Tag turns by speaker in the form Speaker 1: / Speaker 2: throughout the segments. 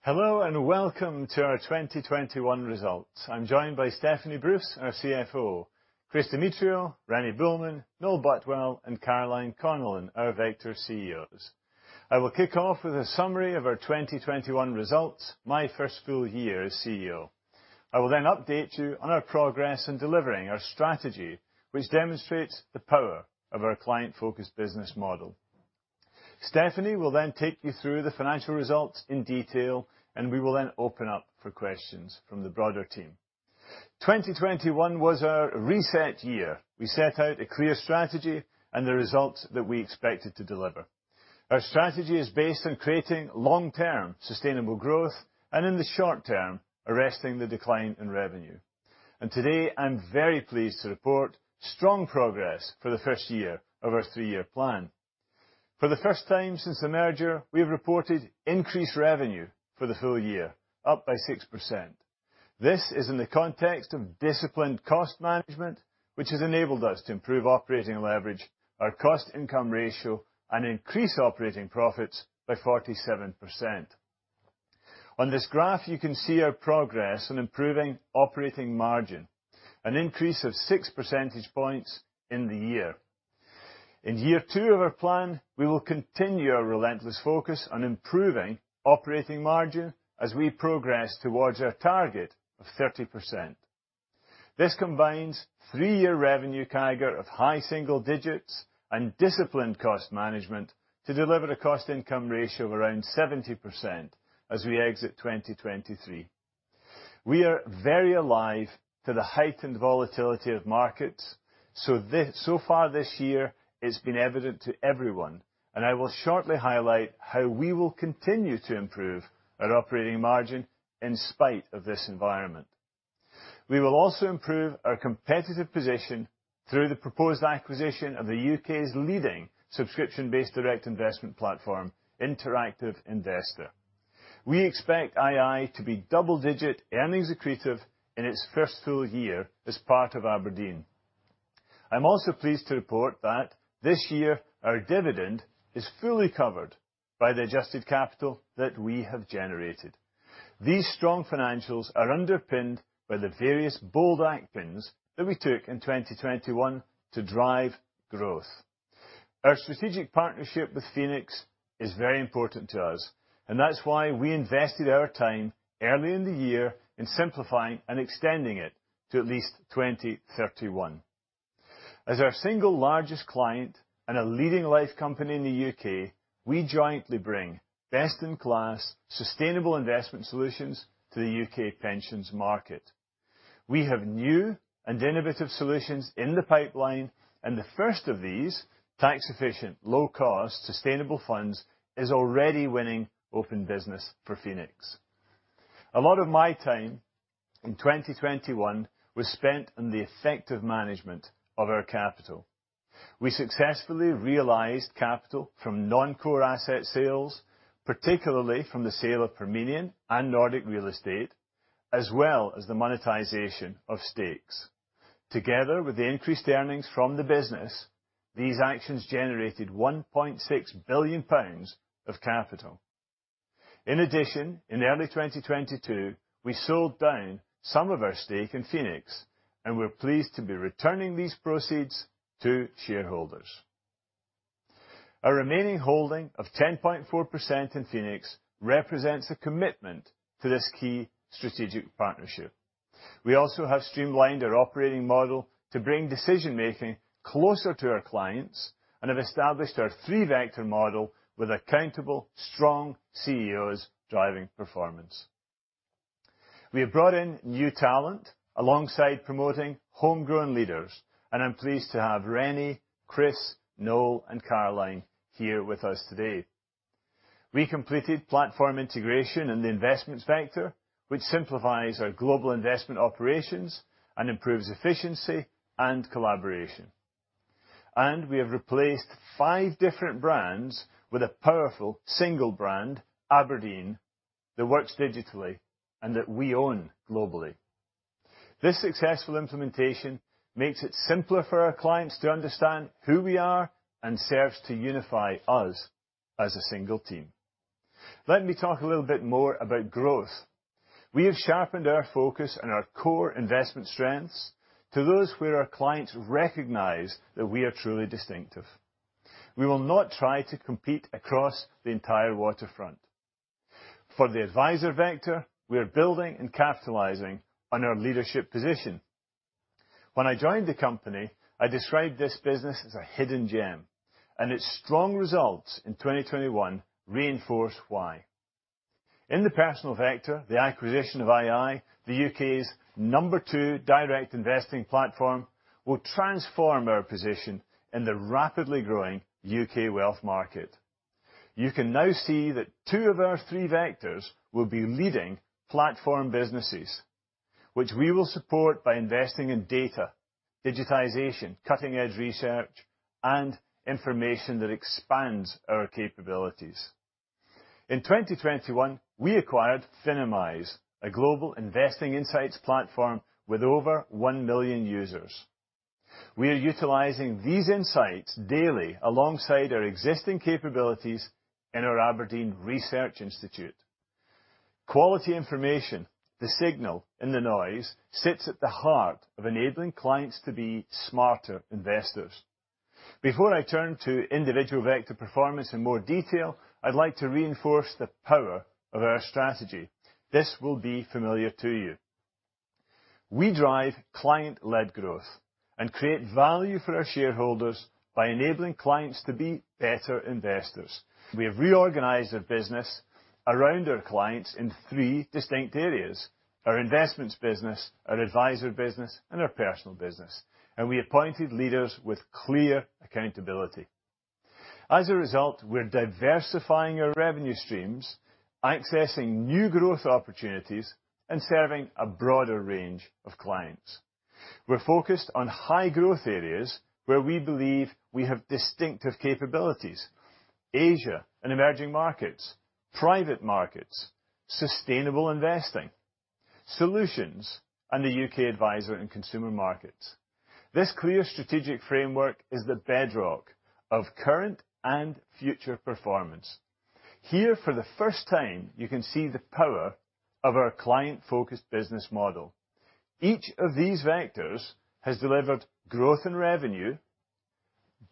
Speaker 1: Hello, and welcome to our 2021 results. I'm joined by Stephanie Bruce, our CFO, Chris Demetriou, Rene Buehlmann, Noel Butwell, and Caroline Connellan, our various CEOs. I will kick off with a summary of our 2021 results, my first full year as CEO. I will then update you on our progress in delivering our strategy, which demonstrates the power of our client-focused business model. Stephanie will then take you through the financial results in detail, and we will then open up for questions from the broader team. 2021 was our reset year. We set out a clear strategy and the results that we expected to deliver. Our strategy is based on creating long-term sustainable growth and, in the short term, arresting the decline in revenue. Today, I'm very pleased to report strong progress for the first year of our three-year plan. For the first time since the merger, we have reported increased revenue for the full year, up by 6%. This is in the context of disciplined cost management, which has enabled us to improve operating leverage, our cost-income ratio, and increase operating profits by 47%. On this graph, you can see our progress in improving operating margin, an increase of six percentage points in the year. In year two of our plan, we will continue our relentless focus on improving operating margin as we progress towards our target of 30%. This combines three-year revenue CAGR of high single digits and disciplined cost management to deliver a cost-income ratio of around 70% as we exit 2023. We are very alive to the heightened volatility of markets. So far this year it's been evident to everyone, and I will shortly highlight how we will continue to improve our operating margin in spite of this environment. We will also improve our competitive position through the proposed acquisition of the U.K.'s leading subscription-based direct investment platform, Interactive Investor. We expect ii to be double-digit earnings accretive in its first full year as part of Aberdeen. I'm also pleased to report that this year our dividend is fully covered by the adjusted capital that we have generated. These strong financials are underpinned by the various bold actions that we took in 2021 to drive growth. Our strategic partnership with Phoenix is very important to us, and that's why we invested our time early in the year in simplifying and extending it to at least 2031. As our single largest client and a leading life company in the U.K., we jointly bring best-in-class sustainable investment solutions to the U.K. pensions market. We have new and innovative solutions in the pipeline, and the first of these, tax-efficient, low-cost sustainable funds, is already winning open business for Phoenix. A lot of my time in 2021 was spent on the effective management of our capital. We successfully realized capital from non-core asset sales, particularly from the sale of Parmenion and Nordic Real Estate, as well as the monetization of stakes. Together with the increased earnings from the business, these actions generated 1.6 billion pounds of capital. In addition, in early 2022, we sold down some of our stake in Phoenix, and we're pleased to be returning these proceeds to shareholders. Our remaining holding of 10.4% in Phoenix represents a commitment to this key strategic partnership. We also have streamlined our operating model to bring decision-making closer to our clients and have established our three-vector model with accountable, strong CEOs driving performance. We have brought in new talent alongside promoting homegrown leaders, and I'm pleased to have Rene, Chris, Noel, and Caroline here with us today. We completed platform integration in the investments vector, which simplifies our global investment operations and improves efficiency and collaboration. We have replaced five different brands with a powerful single brand, Aberdeen, that works digitally and that we own globally. This successful implementation makes it simpler for our clients to understand who we are and serves to unify us as a single team. Let me talk a little bit more about growth. We have sharpened our focus on our core investment strengths to those where our clients recognize that we are truly distinctive. We will not try to compete across the entire waterfront. For the advisor vector, we are building and capitalizing on our leadership position. When I joined the company, I described this business as a hidden gem, and its strong results in 2021 reinforce why. In the personal vector, the acquisition of ii, the U.K.'s number-two direct investing platform, will transform our position in the rapidly growing U.K. wealth market. You can now see that two of our three vectors will be leading platform businesses, which we will support by investing in data, digitization, cutting-edge research, and information that expands our capabilities. In 2021, we acquired Finimize, a global investing insights platform with over one million users. We are utilizing these insights daily alongside our existing capabilities in our Aberdeen Research Institute. Quality information, the signal in the noise, sits at the heart of enabling clients to be smarter investors. Before I turn to individual vector performance in more detail, I'd like to reinforce the power of our strategy. This will be familiar to you. We drive client-led growth and create value for our shareholders by enabling clients to be better investors. We have reorganized our business around our clients in three distinct areas: our investments business, our advisor business, and our personal business. We appointed leaders with clear accountability. As a result, we're diversifying our revenue streams, accessing new growth opportunities, and serving a broader range of clients. We're focused on high-growth areas where we believe we have distinctive capabilities. Asia and emerging markets, private markets, sustainable investing, solutions, and the U.K. advisor and consumer markets. This clear strategic framework is the bedrock of current and future performance. Here, for the first time, you can see the power of our client-focused business model. Each of these vectors has delivered growth in revenue,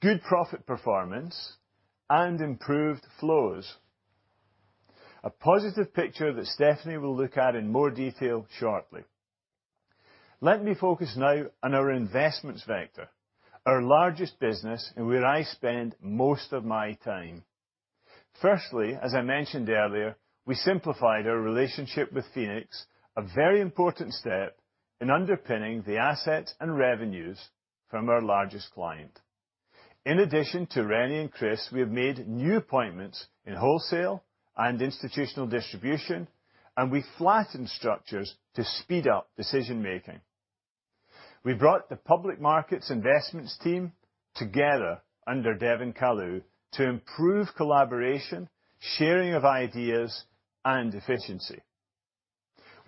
Speaker 1: good profit performance, and improved flows. A positive picture that Stephanie will look at in more detail shortly. Let me focus now on our investments vector, our largest business and where I spend most of my time. Firstly, as I mentioned earlier, we simplified our relationship with Phoenix, a very important step in underpinning the assets and revenues from our largest client. In addition to Rene and Chris, we have made new appointments in wholesale and institutional distribution, and we flattened structures to speed up decision-making. We brought the public markets investments team together under Devan Kaloo to improve collaboration, sharing of ideas, and efficiency.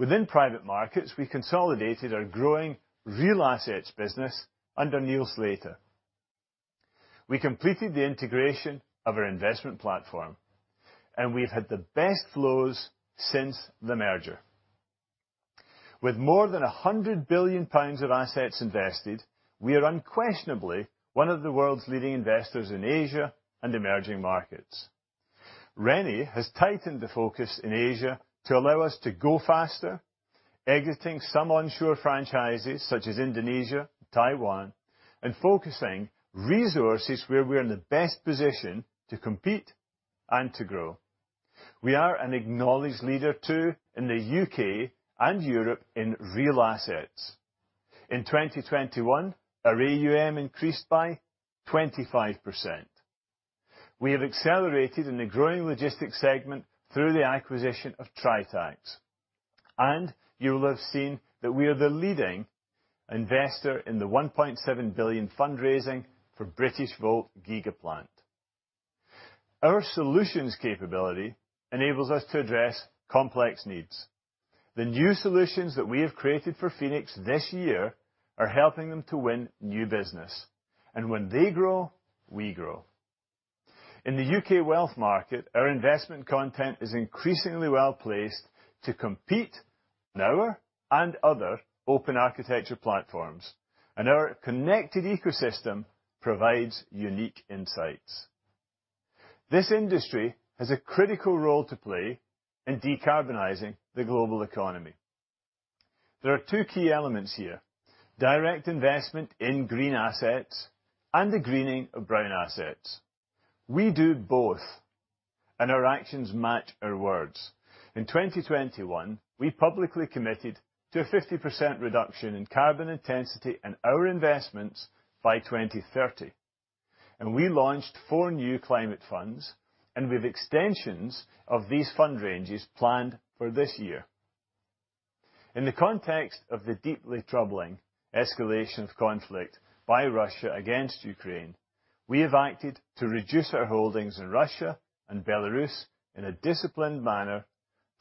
Speaker 1: Within private markets, we consolidated our growing real assets business under Neil Slater. We completed the integration of our investment platform, and we've had the best flows since the merger. With more than 100 billion pounds of assets invested, we are unquestionably one of the world's leading investors in Asia and emerging markets. Rene has tightened the focus in Asia to allow us to go faster, exiting some onshore franchises such as Indonesia, Taiwan, and focusing resources where we're in the best position to compete and to grow. We are an acknowledged leader, too, in the U.K. and Europe in real assets. In 2021, our AUM increased by 25%. We have accelerated in the growing logistics segment through the acquisition of Tritax. You will have seen that we are the leading investor in the 1.7 billion fundraising for Britishvolt gigaplant. Our solutions capability enables us to address complex needs. The new solutions that we have created for Phoenix this year are helping them to win new business. When they grow, we grow. In the U.K. wealth market, our investment content is increasingly well-placed to compete in our and other open architecture platforms. Our connected ecosystem provides unique insights. This industry has a critical role to play in decarbonizing the global economy. There are two key elements here, direct investment in green assets and the greening of brown assets. We do both, and our actions match our words. In 2021, we publicly committed to a 50% reduction in carbon intensity in our investments by 2030. We launched four new climate funds and with extensions of these fund ranges planned for this year. In the context of the deeply troubling escalation of conflict by Russia against Ukraine, we have acted to reduce our holdings in Russia and Belarus in a disciplined manner,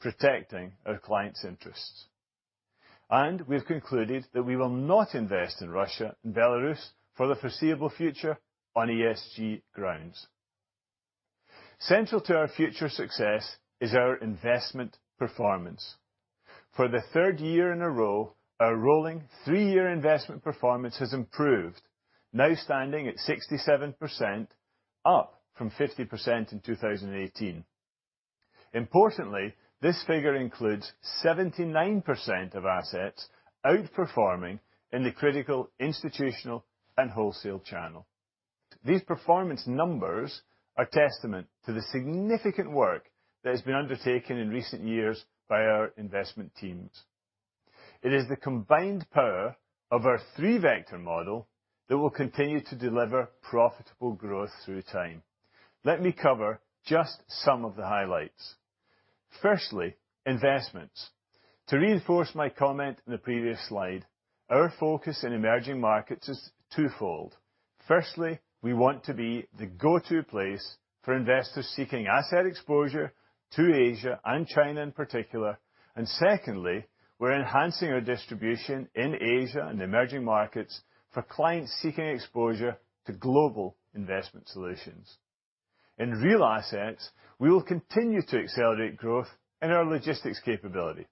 Speaker 1: protecting our clients' interests. We have concluded that we will not invest in Russia and Belarus for the foreseeable future on ESG grounds. Central to our future success is our investment performance. For the third year in a row, our rolling three-year investment performance has improved, now standing at 67%, up from 50% in 2018. Importantly, this figure includes 79% of assets outperforming in the critical institutional and wholesale channel. These performance numbers are testament to the significant work that has been undertaken in recent years by our investment teams. It is the combined power of our three-vector model that will continue to deliver profitable growth through time. Let me cover just some of the highlights. Firstly, investments. To reinforce my comment in the previous slide, our focus in emerging markets is twofold. Firstly, we want to be the go-to place for investors seeking asset exposure to Asia and China in particular. Secondly, we're enhancing our distribution in Asia and emerging markets for clients seeking exposure to global investment solutions. In real assets, we will continue to accelerate growth in our logistics capability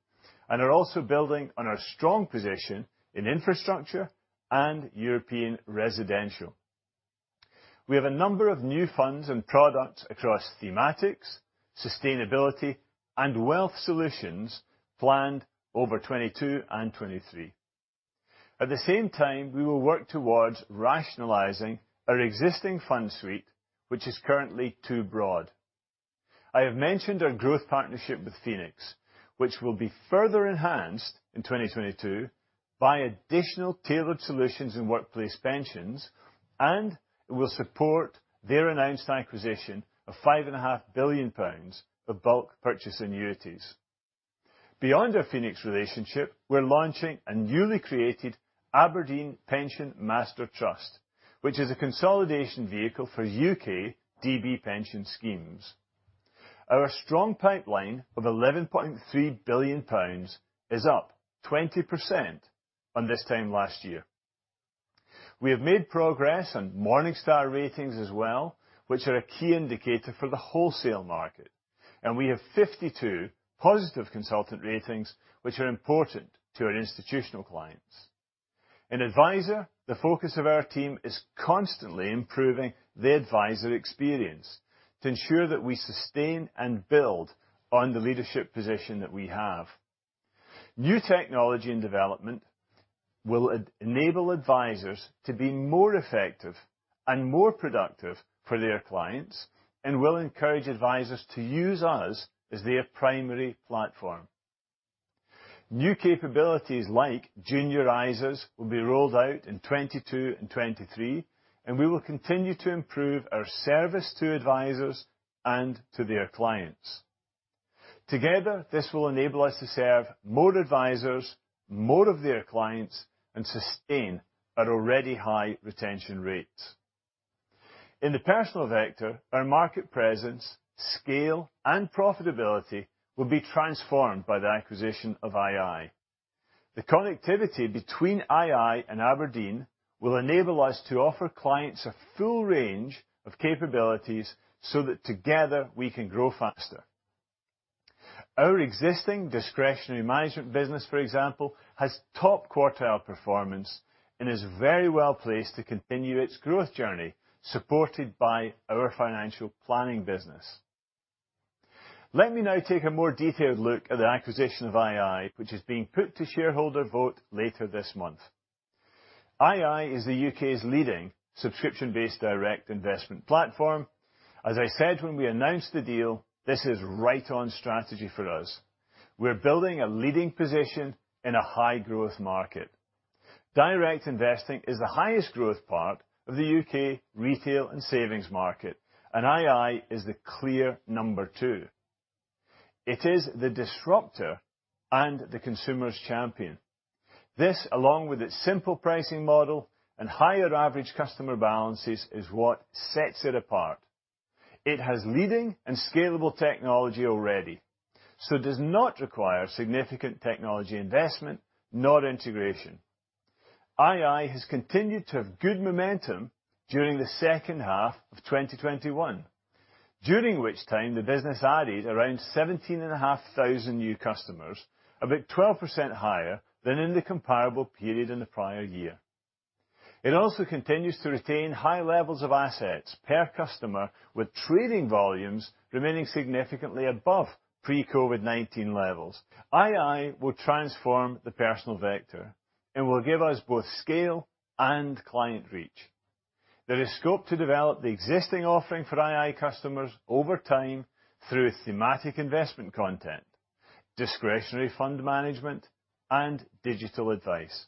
Speaker 1: and are also building on our strong position in infrastructure and European residential. We have a number of new funds and products across thematics, sustainability, and wealth solutions planned over 2022 and 2023. At the same time, we will work towards rationalizing our existing fund suite, which is currently too broad. I have mentioned our growth partnership with Phoenix, which will be further enhanced in 2022 by additional tailored solutions in workplace pensions, and it will support their announced acquisition of five and a half billion pounds of bulk purchase annuities. Beyond our Phoenix relationship, we're launching a newly created Aberdeen Pension Master Trust, which is a consolidation vehicle for UK DB pension schemes. Our strong pipeline of 11.3 billion pounds is up 20% on this time last year. We have made progress on Morningstar ratings as well, which are a key indicator for the wholesale market, and we have 52 positive consultant ratings which are important to our institutional clients. In Advisor, the focus of our team is constantly improving the advisor experience to ensure that we sustain and build on the leadership position that we have. New technology and development will enable advisors to be more effective and more productive for their clients and will encourage advisors to use us as their primary platform. New capabilities like Junior ISAs will be rolled out in 2022 and 2023, and we will continue to improve our service to advisors and to their clients. Together, this will enable us to serve more advisors, more of their clients, and sustain our already high retention rates. In the personal vector, our market presence, scale, and profitability will be transformed by the acquisition of ii. The connectivity between ii and Aberdeen will enable us to offer clients a full range of capabilities so that together, we can grow faster. Our existing discretionary management business, for example, has top quartile performance and is very well placed to continue its growth journey, supported by our financial planning business. Let me now take a more detailed look at the acquisition of ii, which is being put to shareholder vote later this month. ii is the U.K.'s leading subscription-based direct investment platform. As I said when we announced the deal, this is right on strategy for us. We're building a leading position in a high-growth market. Direct investing is the highest growth part of the U.K. retail and savings market, and ii is the clear number two. It is the disruptor and the consumer's champion. This, along with its simple pricing model and higher average customer balances, is what sets it apart. It has leading and scalable technology already, so does not require significant technology investment, nor integration. ii has continued to have good momentum during the second half of 2021, during which time the business added around 17,500 new customers, about 12% higher than in the comparable period in the prior year. It also continues to retain high levels of assets per customer, with trading volumes remaining significantly above pre-COVID-19 levels. ii will transform the personal vector and will give us both scale and client reach. There is scope to develop the existing offering for ii customers over time through thematic investment content, discretionary fund management, and digital advice.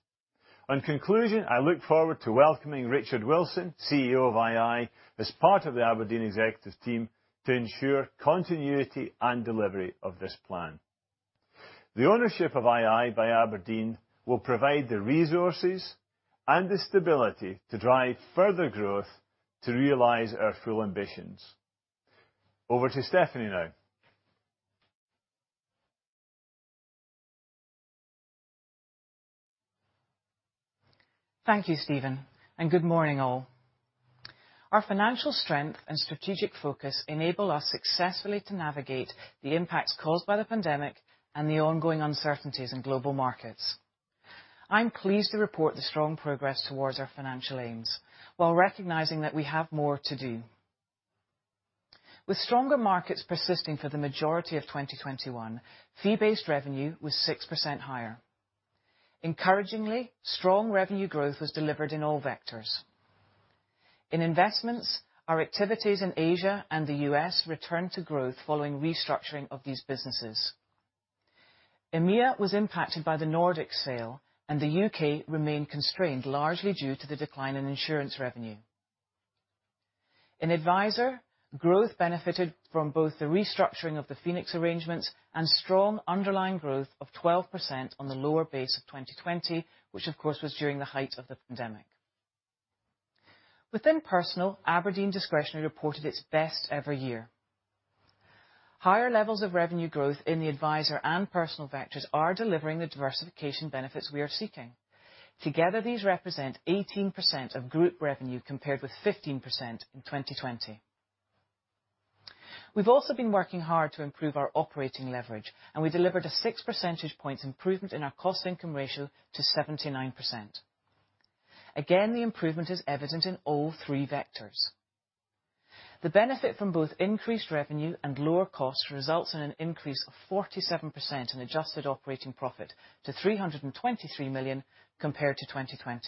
Speaker 1: On conclusion, I look forward to welcoming Richard Wilson, CEO of ii, as part of the Aberdeen executive team to ensure continuity and delivery of this plan. The ownership of ii by Aberdeen will provide the resources and the stability to drive further growth to realize our full ambitions. Over to Stephanie now.
Speaker 2: Thank you, Stephen, and good morning all. Our financial strength and strategic focus enable us successfully to navigate the impacts caused by the pandemic and the ongoing uncertainties in global markets. I'm pleased to report the strong progress towards our financial aims, while recognizing that we have more to do. With stronger markets persisting for the majority of 2021, fee-based revenue was 6% higher. Encouragingly, strong revenue growth was delivered in all vectors. In Investments, our activities in Asia and the U.S. returned to growth following restructuring of these businesses. EMEA was impacted by the Nordic sale, and the U.K. remained constrained, largely due to the decline in insurance revenue. In Adviser, growth benefited from both the restructuring of the Phoenix arrangements and strong underlying growth of 12% on the lower base of 2020, which of course was during the height of the pandemic. Within Personal, Aberdeen Discretionary reported its best ever year. Higher levels of revenue growth in the Adviser and Personal vectors are delivering the diversification benefits we are seeking. Together, these represent 18% of group revenue, compared with 15% in 2020. We've also been working hard to improve our operating leverage, and we delivered a six percentage points improvement in our cost-income ratio to 79%. Again, the improvement is evident in all three vectors. The benefit from both increased revenue and lower costs results in an increase of 47% in adjusted operating profit to £323 million compared to 2020.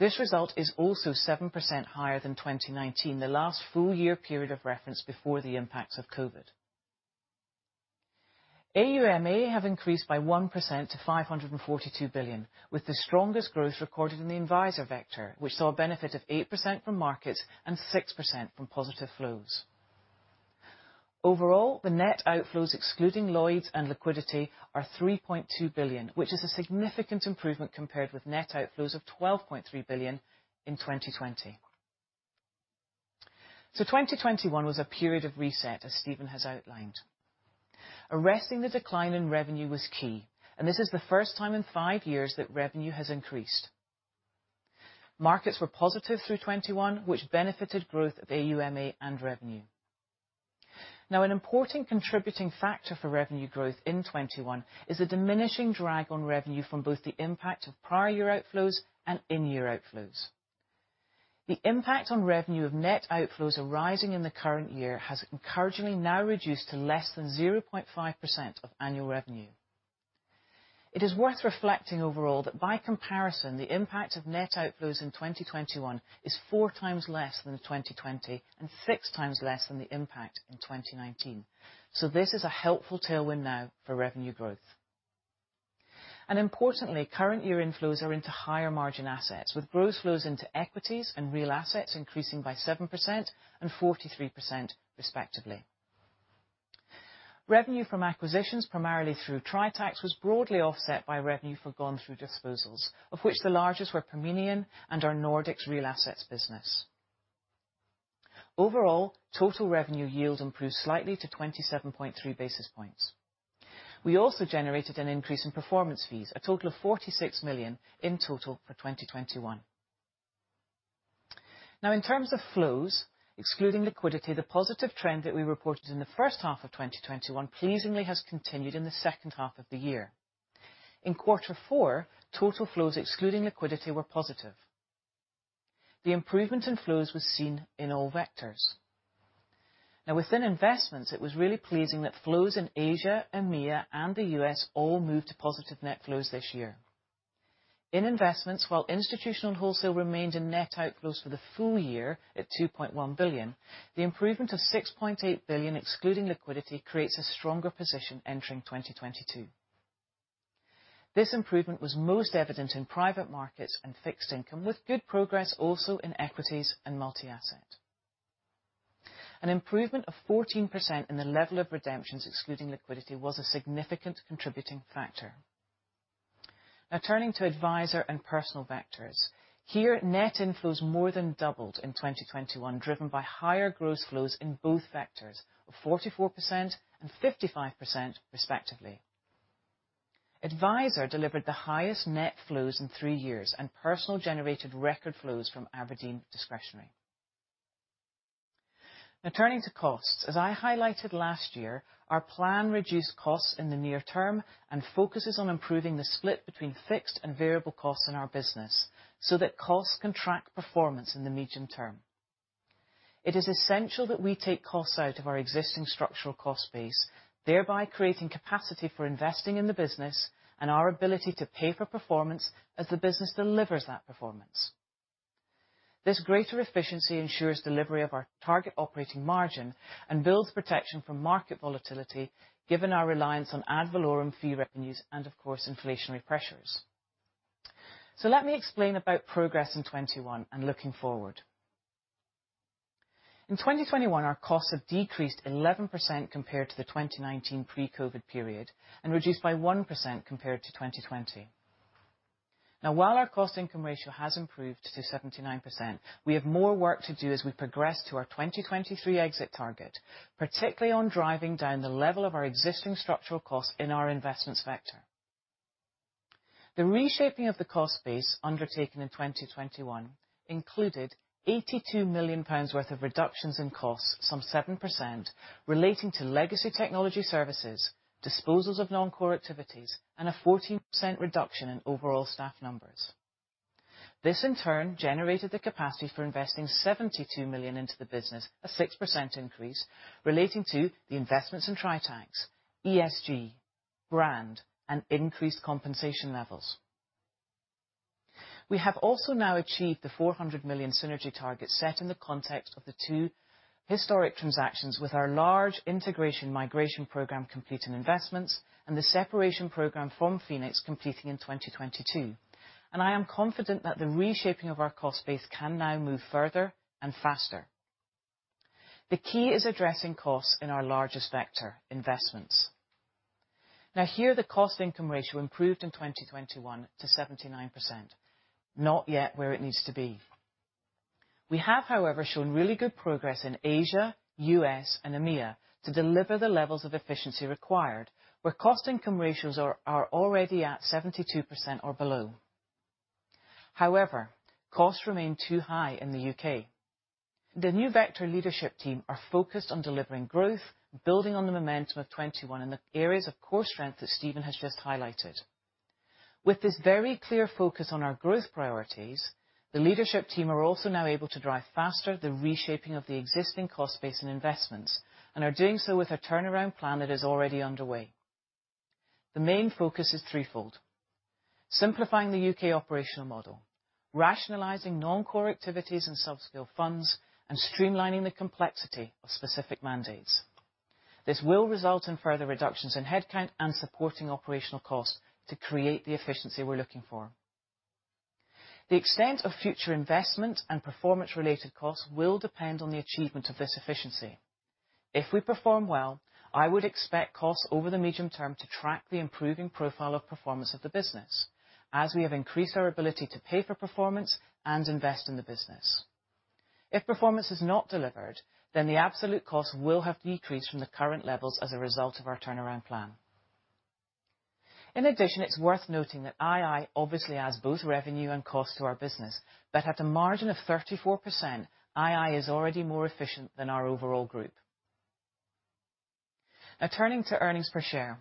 Speaker 2: This result is also 7% higher than 2019, the last full year period of reference before the impacts of COVID-19. AUMA have increased by 1% to 542 billion, with the strongest growth recorded in the adviser vector, which saw a benefit of 8% from markets and 6% from positive flows. Overall, the net outflows excluding Lloyds and liquidity are 3.2 billion, which is a significant improvement compared with net outflows of 12.3 billion in 2020. 2021 was a period of reset, as Stephen has outlined. Arresting the decline in revenue was key, and this is the first time in five years that revenue has increased. Markets were positive through 2021, which benefited growth of AUMA and revenue. An important contributing factor for revenue growth in 2021 is a diminishing drag on revenue from both the impact of prior year outflows and in-year outflows. The impact on revenue of net outflows arising in the current year has encouragingly now reduced to less than 0.5% of annual revenue. It is worth reflecting overall that by comparison, the impact of net outflows in 2021 is four times less than in 2020 and six times less than the impact in 2019. This is a helpful tailwind now for revenue growth. Importantly, current year inflows are into higher margin assets, with gross flows into equities and real assets increasing by 7% and 43% respectively. Revenue from acquisitions, primarily through Tritax, was broadly offset by revenue forgone through disposals, of which the largest were Parmenion and our Nordics Real Assets business. Overall, total revenue yield improved slightly to 27.3 basis points. We also generated an increase in performance fees, a total of 46 million in total for 2021. Now in terms of flows, excluding liquidity, the positive trend that we reported in the first half of 2021 pleasingly has continued in the second half of the year. In Q4, total flows excluding liquidity were positive. The improvement in flows was seen in all vectors. Now within investments, it was really pleasing that flows in Asia, EMEA, and the U.S. all moved to positive net flows this year. In investments, while institutional wholesale remained in net outflows for the full year at 2.1 billion, the improvement of 6.8 billion excluding liquidity creates a stronger position entering 2022. This improvement was most evident in private markets and fixed income, with good progress also in equities and multi-asset. An improvement of 14% in the level of redemptions, excluding liquidity, was a significant contributing factor. Now turning to Adviser and Personal vectors. Here, net inflows more than doubled in 2021, driven by higher gross flows in both vectors of 44% and 55% respectively. Adviser delivered the highest net flows in three years, and Personal generated record flows from Aberdeen Discretionary. Now turning to costs. As I highlighted last year, our plan reduced costs in the near term and focuses on improving the split between fixed and variable costs in our business so that costs can track performance in the medium term. It is essential that we take costs out of our existing structural cost base, thereby creating capacity for investing in the business and our ability to pay for performance as the business delivers that performance. This greater efficiency ensures delivery of our target operating margin and builds protection from market volatility, given our reliance on ad valorem fee revenues and of course, inflationary pressures. Let me explain about progress in 2021 and looking forward. In 2021, our costs have decreased 11% compared to the 2019 pre-COVID-19 period and reduced by 1% compared to 2020. Now, while our cost income ratio has improved to 79%, we have more work to do as we progress to our 2023 exit target, particularly on driving down the level of our existing structural costs in our investments vector. The reshaping of the cost base undertaken in 2021 included 82 million pounds worth of reductions in costs, some 7% relating to legacy technology services, disposals of non-core activities, and a 14% reduction in overall staff numbers. This in turn generated the capacity for investing 72 million into the business, a 6% increase relating to the investments in Tritax, ESG, brand, and increased compensation levels. We have also now achieved the 400 million synergy target set in the context of the two historic transactions with our large integration migration program completing investments and the separation program from Phoenix completing in 2022. I am confident that the reshaping of our cost base can now move further and faster. The key is addressing costs in our largest vector, investments. Now here the cost income ratio improved in 2021 to 79%, not yet where it needs to be. We have, however, shown really good progress in Asia, U.S., and EMEA to deliver the levels of efficiency required, where cost income ratios are already at 72% or below. However, costs remain too high in the U.K. The new executive leadership team are focused on delivering growth, building on the momentum of 2021 in the areas of core strength that Stephen has just highlighted. With this very clear focus on our growth priorities, the leadership team are also now able to drive faster the reshaping of the existing cost base and investments and are doing so with a turnaround plan that is already underway. The main focus is threefold. Simplifying the U.K. operational model, rationalizing non-core activities and subscale funds, and streamlining the complexity of specific mandates. This will result in further reductions in headcount and supporting operational costs to create the efficiency we're looking for. The extent of future investment and performance-related costs will depend on the achievement of this efficiency. If we perform well, I would expect costs over the medium term to track the improving profile of performance of the business, as we have increased our ability to pay for performance and invest in the business. If performance is not delivered, then the absolute cost will have decreased from the current levels as a result of our turnaround plan. In addition, it's worth noting that ii obviously adds both revenue and cost to our business. At a margin of 34%, ii is already more efficient than our overall group. Now turning to earnings per share.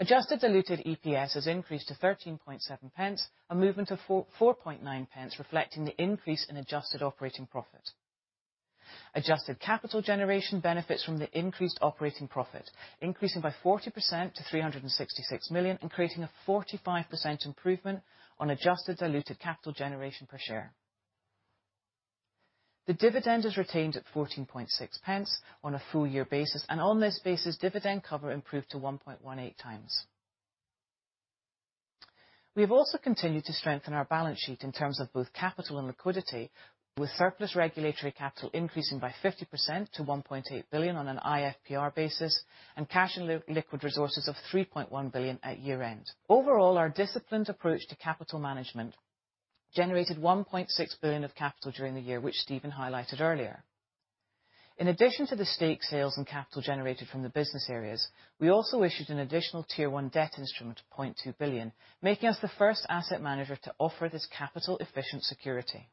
Speaker 2: Adjusted diluted EPS has increased to 0.137, a movement of 0.049 reflecting the increase in adjusted operating profit. Adjusted capital generation benefits from the increased operating profit, increasing by 40% to 366 million and creating a 45% improvement on adjusted diluted capital generation per share. The dividend is retained at 0.146 on a full year basis, and on this basis, dividend cover improved to 1.18 times. We have also continued to strengthen our balance sheet in terms of both capital and liquidity, with surplus regulatory capital increasing by 50% to 1.8 billion on an IFPR basis and cash and liquid resources of 3.1 billion at year-end. Overall, our disciplined approach to capital management generated 1.6 billion of capital during the year, which Stephen highlighted earlier. In addition to the stake sales and capital generated from the business areas, we also issued an Additional Tier 1 debt instrument of 0.2 billion, making us the first asset manager to offer this capital efficient security.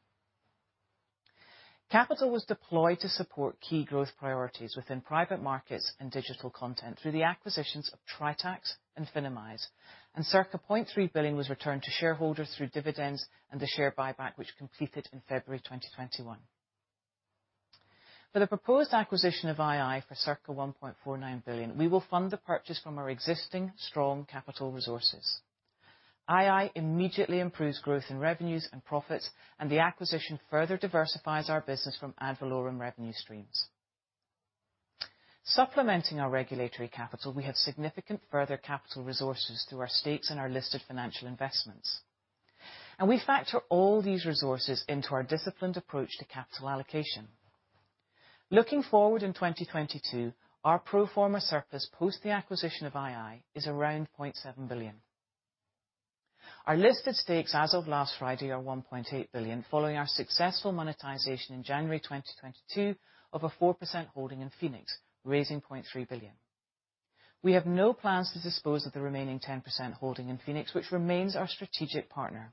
Speaker 2: Capital was deployed to support key growth priorities within private markets and digital content through the acquisitions of Tritax and Finimize, and circa 0.3 billion was returned to shareholders through dividends and the share buyback which completed in February 2021. For the proposed acquisition of ii for circa 1.49 billion, we will fund the purchase from our existing strong capital resources. ii immediately improves growth in revenues and profits, and the acquisition further diversifies our business from ad valorem revenue streams. Supplementing our regulatory capital, we have significant further capital resources through our stakes in our listed financial investments. We factor all these resources into our disciplined approach to capital allocation. Looking forward in 2022, our pro forma surplus post the acquisition of ii is around 0.7 billion. Our listed stakes as of last Friday are 1.8 billion following our successful monetization in January 2022 of a 4% holding in Phoenix, raising 0.3 billion. We have no plans to dispose of the remaining 10% holding in Phoenix, which remains our strategic partner.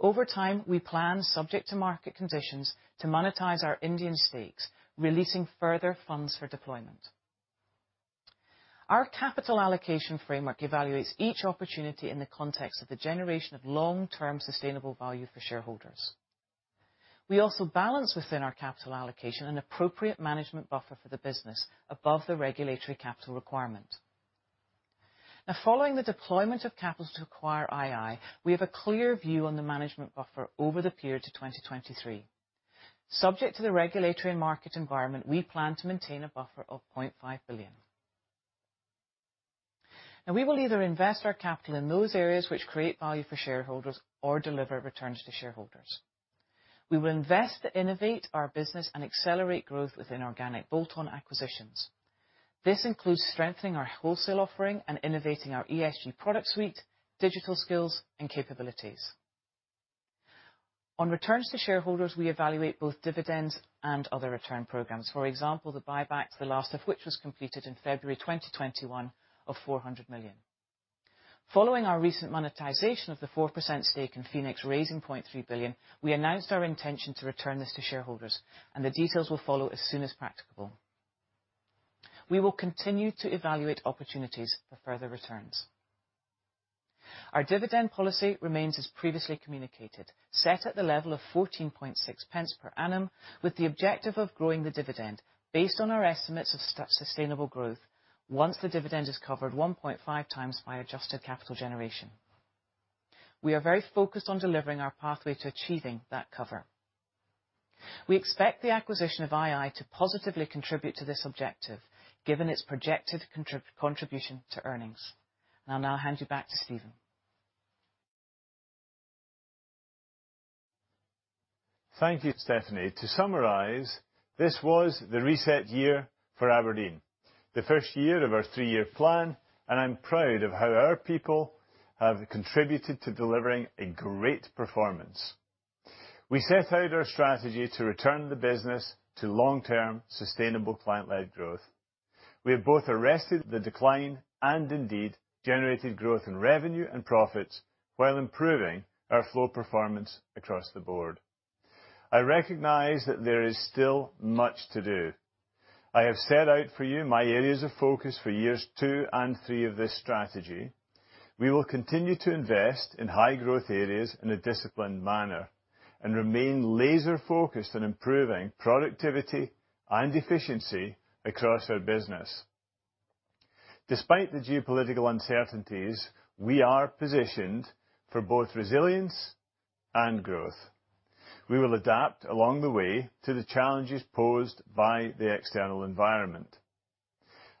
Speaker 2: Over time, we plan, subject to market conditions, to monetize our Indian stakes, releasing further funds for deployment. Our capital allocation framework evaluates each opportunity in the context of the generation of long-term sustainable value for shareholders. We also balance within our capital allocation an appropriate management buffer for the business above the regulatory capital requirement. Now following the deployment of capital to acquire ii, we have a clear view on the management buffer over the period to 2023. Subject to the regulatory market environment, we plan to maintain a buffer of 0.5 billion. Now we will either invest our capital in those areas which create value for shareholders or deliver returns to shareholders. We will invest to innovate our business and accelerate growth within organic bolt-on acquisitions. This includes strengthening our wholesale offering and innovating our ESG product suite, digital skills, and capabilities. On returns to shareholders, we evaluate both dividends and other return programs. For example, the buybacks, the last of which was completed in February 2021 of 400 million. Following our recent monetization of the 4% stake in Phoenix Group raising 0.3 billion, we announced our intention to return this to shareholders, and the details will follow as soon as practicable. We will continue to evaluate opportunities for further returns. Our dividend policy remains as previously communicated, set at the level of 14.6 pence per annum, with the objective of growing the dividend based on our estimates of sustainable growth once the dividend is covered 1.5 times by adjusted capital generation. We are very focused on delivering our pathway to achieving that cover. We expect the acquisition of ii to positively contribute to this objective, given its projected contribution to earnings. I'll now hand you back to Stephen.
Speaker 1: Thank you, Stephanie. To summarize, this was the reset year for Aberdeen, the first year of our three-year plan, and I'm proud of how our people have contributed to delivering a great performance. We set out our strategy to return the business to long-term sustainable client-led growth. We have both arrested the decline and indeed generated growth in revenue and profits while improving our flow performance across the board. I recognize that there is still much to do. I have set out for you my areas of focus for years two and three of this strategy. We will continue to invest in high-growth areas in a disciplined manner and remain laser-focused on improving productivity and efficiency across our business. Despite the geopolitical uncertainties, we are positioned for both resilience and growth. We will adapt along the way to the challenges posed by the external environment.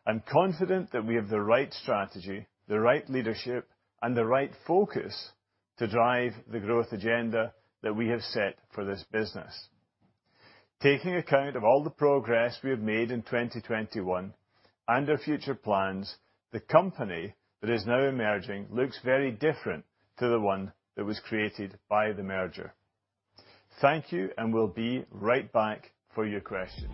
Speaker 1: I'm confident that we have the right strategy, the right leadership, and the right focus to drive the growth agenda that we have set for this business. Taking account of all the progress we have made in 2021 and our future plans, the company that is now emerging looks very different to the one that was created by the merger. Thank you, and we'll be right back for your questions.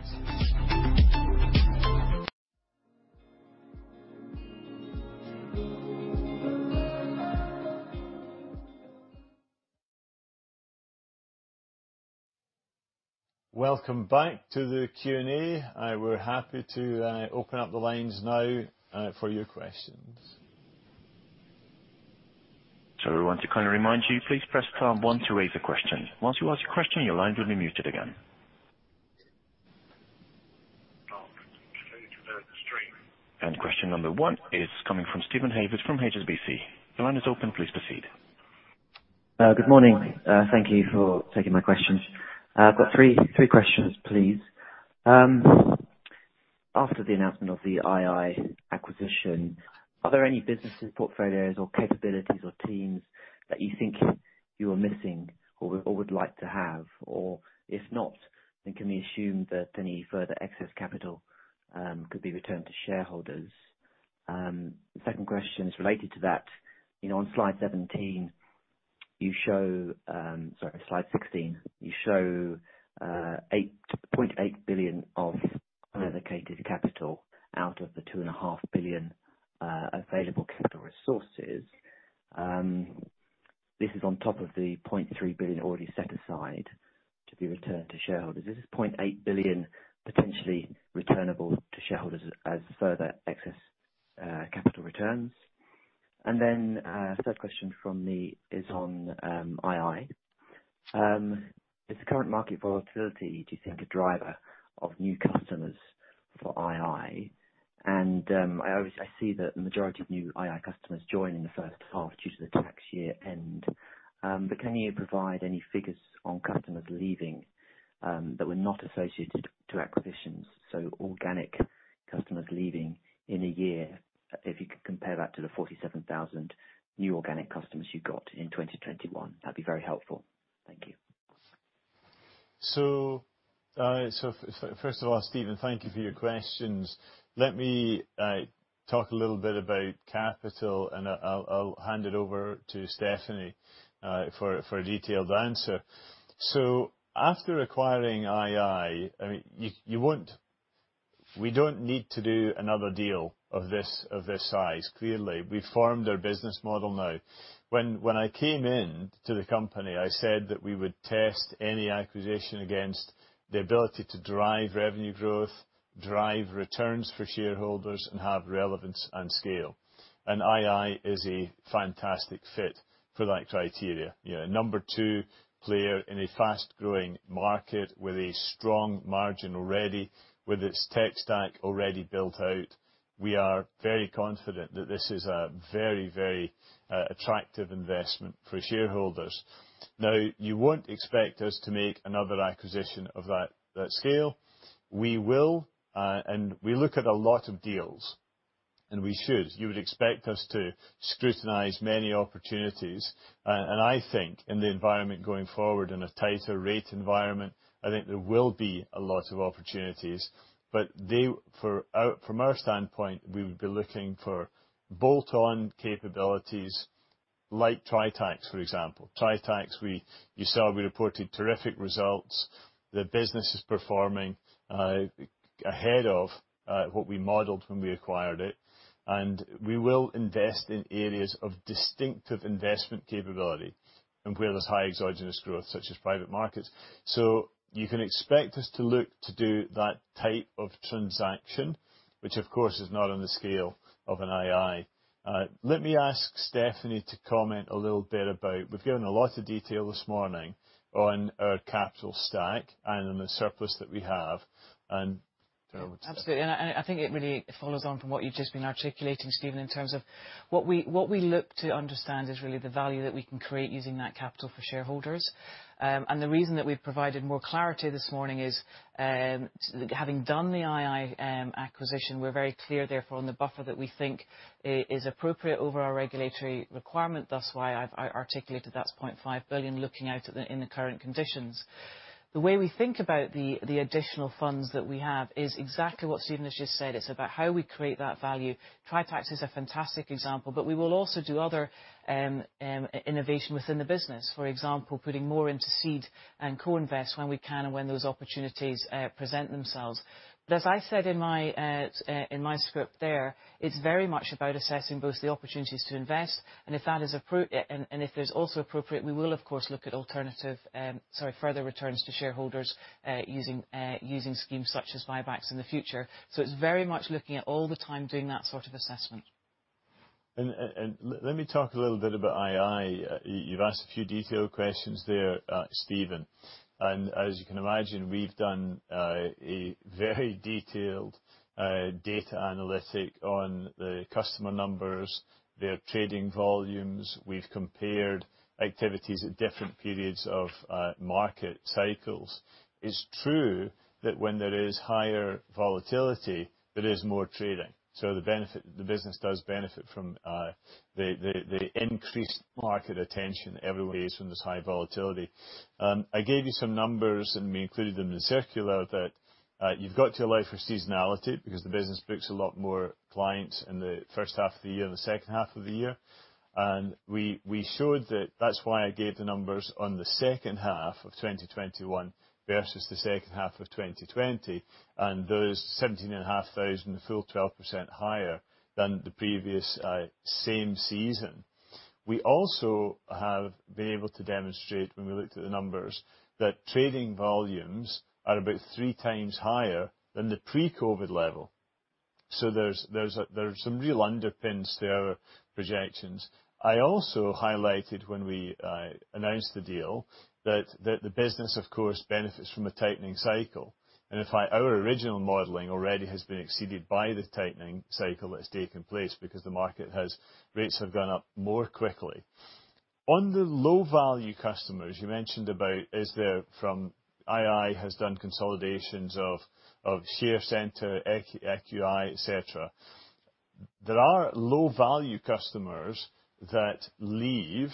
Speaker 1: Welcome back to the Q&A. We're happy to open up the lines now for your questions.
Speaker 3: We want to kind of remind you, please press star one to raise a question. Once you ask your question, your line will be muted again. Question number one is coming from Steven Havers from HSBC. The line is open. Please proceed.
Speaker 4: Good morning. Thank you for taking my questions. I've got three questions, please. After the announcement of the ii acquisition, are there any businesses, portfolios, or capabilities or teams that you think you are missing or would like to have? Or if not, then can we assume that any further excess capital could be returned to shareholders? The second question is related to that. You know, on slide 17, you show. Sorry, slide 16. You show 8.8 billion of allocated capital out of the 2.5 billion available capital resources. This is on top of the 0.3 billion already set aside to be returned to shareholders. This is 0.8 billion potentially returnable to shareholders as further excess capital returns. Then, third question from me is on ii. Is the current market volatility, do you think, a driver of new customers for ii? I obviously see that the majority of new ii customers join in the first half due to the tax year end, but can you provide any figures on customers leaving that were not associated to acquisitions, so organic customers leaving in a year, if you could compare that to the 47,000 new organic customers you got in 2021. That'd be very helpful. Thank you.
Speaker 1: First of all, Steven, thank you for your questions. Let me talk a little bit about capital, and I'll hand it over to Stephanie for a detailed answer. After acquiring ii, I mean, we don't need to do another deal of this size. Clearly, we formed our business model now. When I came in to the company, I said that we would test any acquisition against the ability to drive revenue growth, drive returns for shareholders, and have relevance and scale. ii is a fantastic fit for that criteria. You know, number two player in a fast-growing market with a strong margin already, with its tech stack already built out. We are very confident that this is a very, very attractive investment for shareholders. Now, you won't expect us to make another acquisition of that scale. We will, and we look at a lot of deals, and we should. You would expect us to scrutinize many opportunities. I think in the environment going forward, in a tighter rate environment, I think there will be a lot of opportunities. From our standpoint, we would be looking for bolt-on capabilities like Tritax, for example. You saw we reported terrific results. The business is performing ahead of what we modeled when we acquired it, and we will invest in areas of distinctive investment capability and where there's high exogenous growth, such as private markets. You can expect us to look to do that type of transaction, which of course is not on the scale of an ii. Let me ask Stephanie to comment a little bit about. We've given a lot of detail this morning on our capital stack and on the surplus that we have, and
Speaker 2: Absolutely. I think it really follows on from what you've just been articulating, Steven, in terms of what we look to understand is really the value that we can create using that capital for shareholders. The reason that we've provided more clarity this morning is, having done the ii acquisition, we're very clear therefore on the buffer that we think is appropriate over our regulatory requirement. That's why I've articulated that's 0.5 billion looking out in the current conditions. The way we think about the additional funds that we have is exactly what Stephen has just said. It's about how we create that value. Tritax is a fantastic example. We will also do other innovation within the business. For example, putting more into seed and co-invest when we can and when those opportunities present themselves. As I said in my script there, it's very much about assessing both the opportunities to invest and if that is appropriate and if there's also appropriate, we will of course look at alternative further returns to shareholders, using schemes such as buybacks in the future. It's very much looking at all the time doing that sort of assessment.
Speaker 1: Let me talk a little bit about ii. You've asked a few detailed questions there, Steven. As you can imagine, we've done a very detailed data analytics on the customer numbers, their trading volumes. We've compared activities at different periods of market cycles. It's true that when there is higher volatility, there is more trading. The benefit. The business does benefit from the increased market attention everybody gets from this high volatility. I gave you some numbers, and we included them in the circular, that you've got to allow for seasonality, because the business books a lot more clients in the first half of the year than the second half of the year. We showed that that's why I gave the numbers on the second half of 2021 versus the second half of 2020, and those 17,500 a full 12% higher than the previous same season. We also have been able to demonstrate, when we looked at the numbers, that trading volumes are about three times higher than the pre-COVID-19 level. There are some real underpins to our projections. I also highlighted when we announced the deal that the business of course benefits from a tightening cycle. In fact, our original modeling already has been exceeded by the tightening cycle that's taken place because rates have gone up more quickly. On the low-value customers you mentioned about, is there from ii has done consolidations of Share Centre, EQi, et cetera. There are low-value customers that leave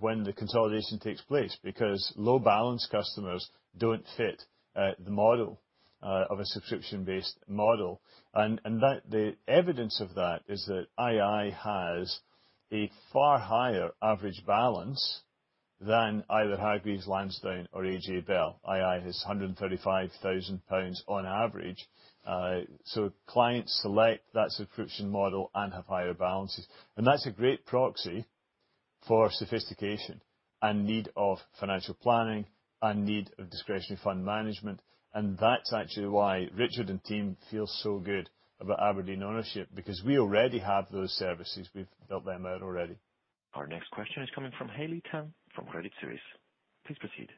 Speaker 1: when the consolidation takes place, because low-balance customers don't fit the model of a subscription-based model. The evidence of that is that ii has a far higher average balance than either Hargreaves Lansdown or AJ Bell. ii has GBP 135,000 on average. Clients select that subscription model and have higher balances. That's a great proxy for sophistication and need of financial planning and need of discretionary fund management. That's actually why Richard and team feel so good about Aberdeen ownership, because we already have those services. We've built them out already.
Speaker 3: Our next question is coming from Haley Tam from Credit Suisse. Please proceed.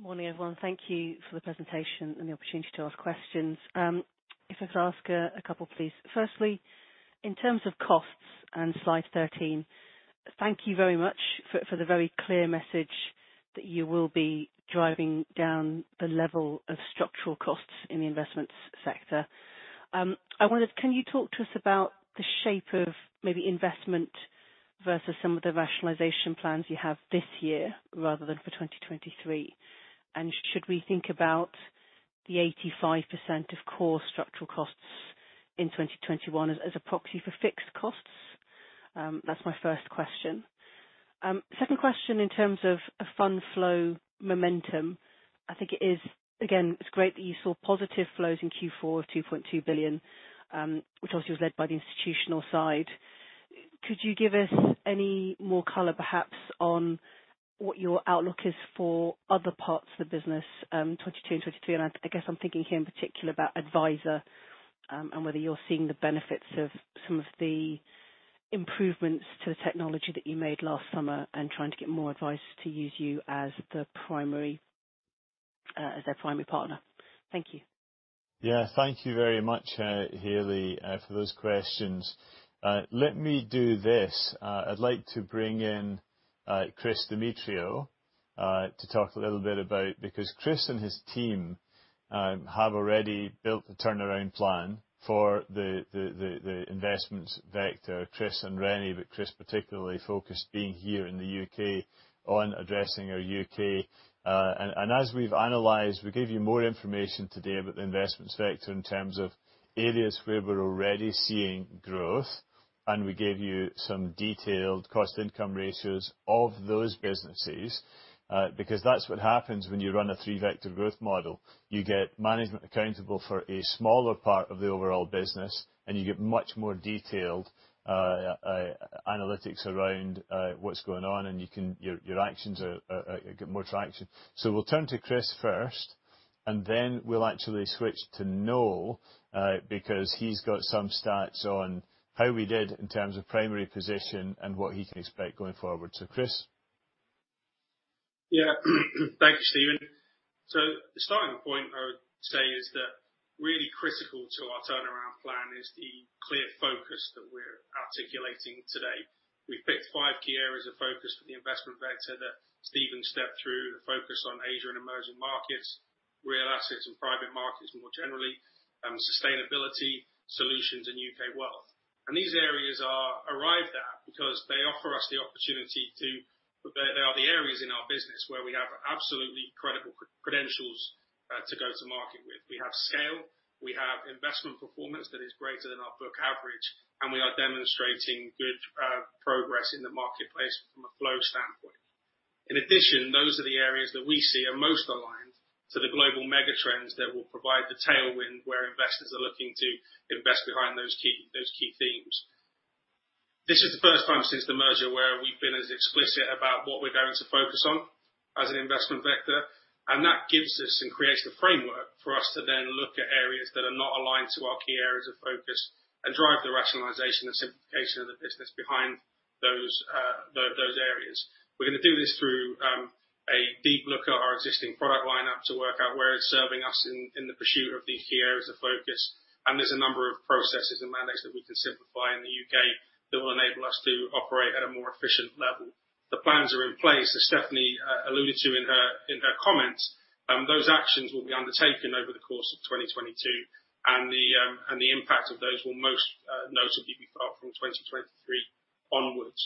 Speaker 5: Morning, everyone. Thank you for the presentation and the opportunity to ask questions. If I could ask a couple, please. Firstly, in terms of costs and slide 13, thank you very much for the very clear message that you will be driving down the level of structural costs in the investments sector. I wondered, can you talk to us about the shape of maybe investment versus some of the rationalization plans you have this year rather than for 2023? Should we think about the 85% of core structural costs in 2021 as a proxy for fixed costs? That's my first question. Second question in terms of a fund flow momentum. I think it is. Again, it's great that you saw positive flows in Q4 of 2.2 billion, which also was led by the institutional side. Could you give us any more color perhaps on what your outlook is for other parts of the business, 2022 and 2023? I guess I'm thinking here in particular about Adviser, and whether you're seeing the benefits of some of the improvements to the technology that you made last summer and trying to get more advisers to use you as the primary, as their primary partner. Thank you.
Speaker 1: Yeah. Thank you very much, Haley, for those questions. Let me do this. I'd like to bring in, Chris Demetriou, to talk a little bit about. Because Chris and his team have already built the turnaround plan for the investments vector. Chris and Rene, but Chris particularly focused being here in the U.K. on addressing our U.K. And as we've analyzed, we gave you more information today about the investments vector in terms of areas where we're already seeing growth, and we gave you some detailed cost-income ratios of those businesses. Because that's what happens when you run a three-vector growth model. You get management accountable for a smaller part of the overall business, and you get much more detailed analytics around what's going on, and your actions get more traction. We'll turn to Chris first, and then we'll actually switch to Noel because he's got some stats on how we did in terms of primary position and what he can expect going forward. Chris
Speaker 6: Yeah. Thank you, Stephen. The starting point I would say is that really critical to our turnaround plan is the clear focus that we're articulating today. We've picked five key areas of focus for the investment vector that Stephen stepped through, the focus on Asia and emerging markets, real assets and private markets more generally, sustainability solutions in U.K. wealth. These areas are arrived at because they are the areas in our business where we have absolutely credible credentials to go to market with. We have scale, we have investment performance that is greater than our book average, and we are demonstrating good progress in the marketplace from a flow standpoint. In addition, those are the areas that we see are most aligned to the global mega trends that will provide the tailwind where investors are looking to invest behind those key themes. This is the first time since the merger where we've been as explicit about what we're going to focus on as an investment vector, and that gives us and creates the framework for us to then look at areas that are not aligned to our key areas of focus and drive the rationalization and simplification of the business behind those areas. We're gonna do this through a deep look at our existing product line up to work out where it's serving us in the pursuit of these key areas of focus. There's a number of processes and mandates that we can simplify in the U.K. that will enable us to operate at a more efficient level. The plans are in place, as Stephanie alluded to in her comments, those actions will be undertaken over the course of 2022. The impact of those will most notably be felt from 2023 onwards.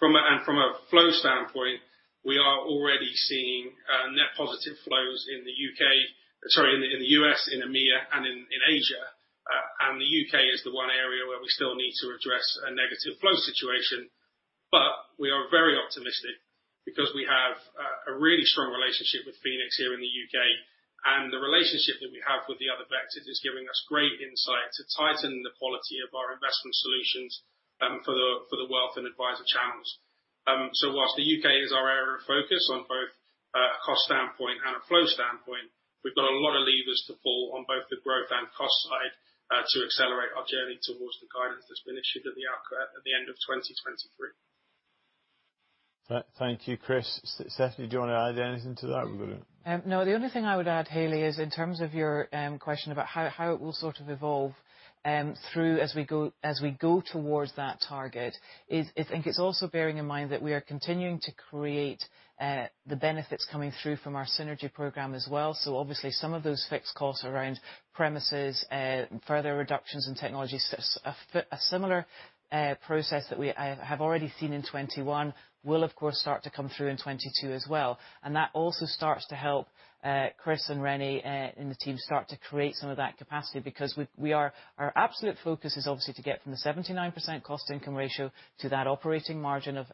Speaker 6: From a flow standpoint, we are already seeing net positive flows in the U.S., in EMEA, and in Asia. The U.K. is the one area where we still need to address a negative flow situation. We are very optimistic because we have a really strong relationship with Phoenix here in the U.K., and the relationship that we have with the other vectors is giving us great insight to tighten the quality of our investment solutions for the wealth and advisor channels. While the U.K. is our area of focus on both cost standpoint and a flow standpoint, we've got a lot of levers to pull on both the growth and cost side to accelerate our journey towards the guidance that's been issued at the end of 2023.
Speaker 1: Thank you, Chris. Stephanie, do you wanna add anything to that or we good?
Speaker 2: No. The only thing I would add, Haley, is in terms of your question about how it will sort of evolve through as we go towards that target. I think it's also bearing in mind that we are continuing to create the benefits coming through from our synergy program as well. Obviously some of those fixed costs around premises, further reductions in technology, a similar process that I have already seen in 2021 will of course start to come through in 2022 as well. That also starts to help Chris and Rene and the team start to create some of that capacity because our absolute focus is obviously to get from the 79% cost income ratio to that operating margin of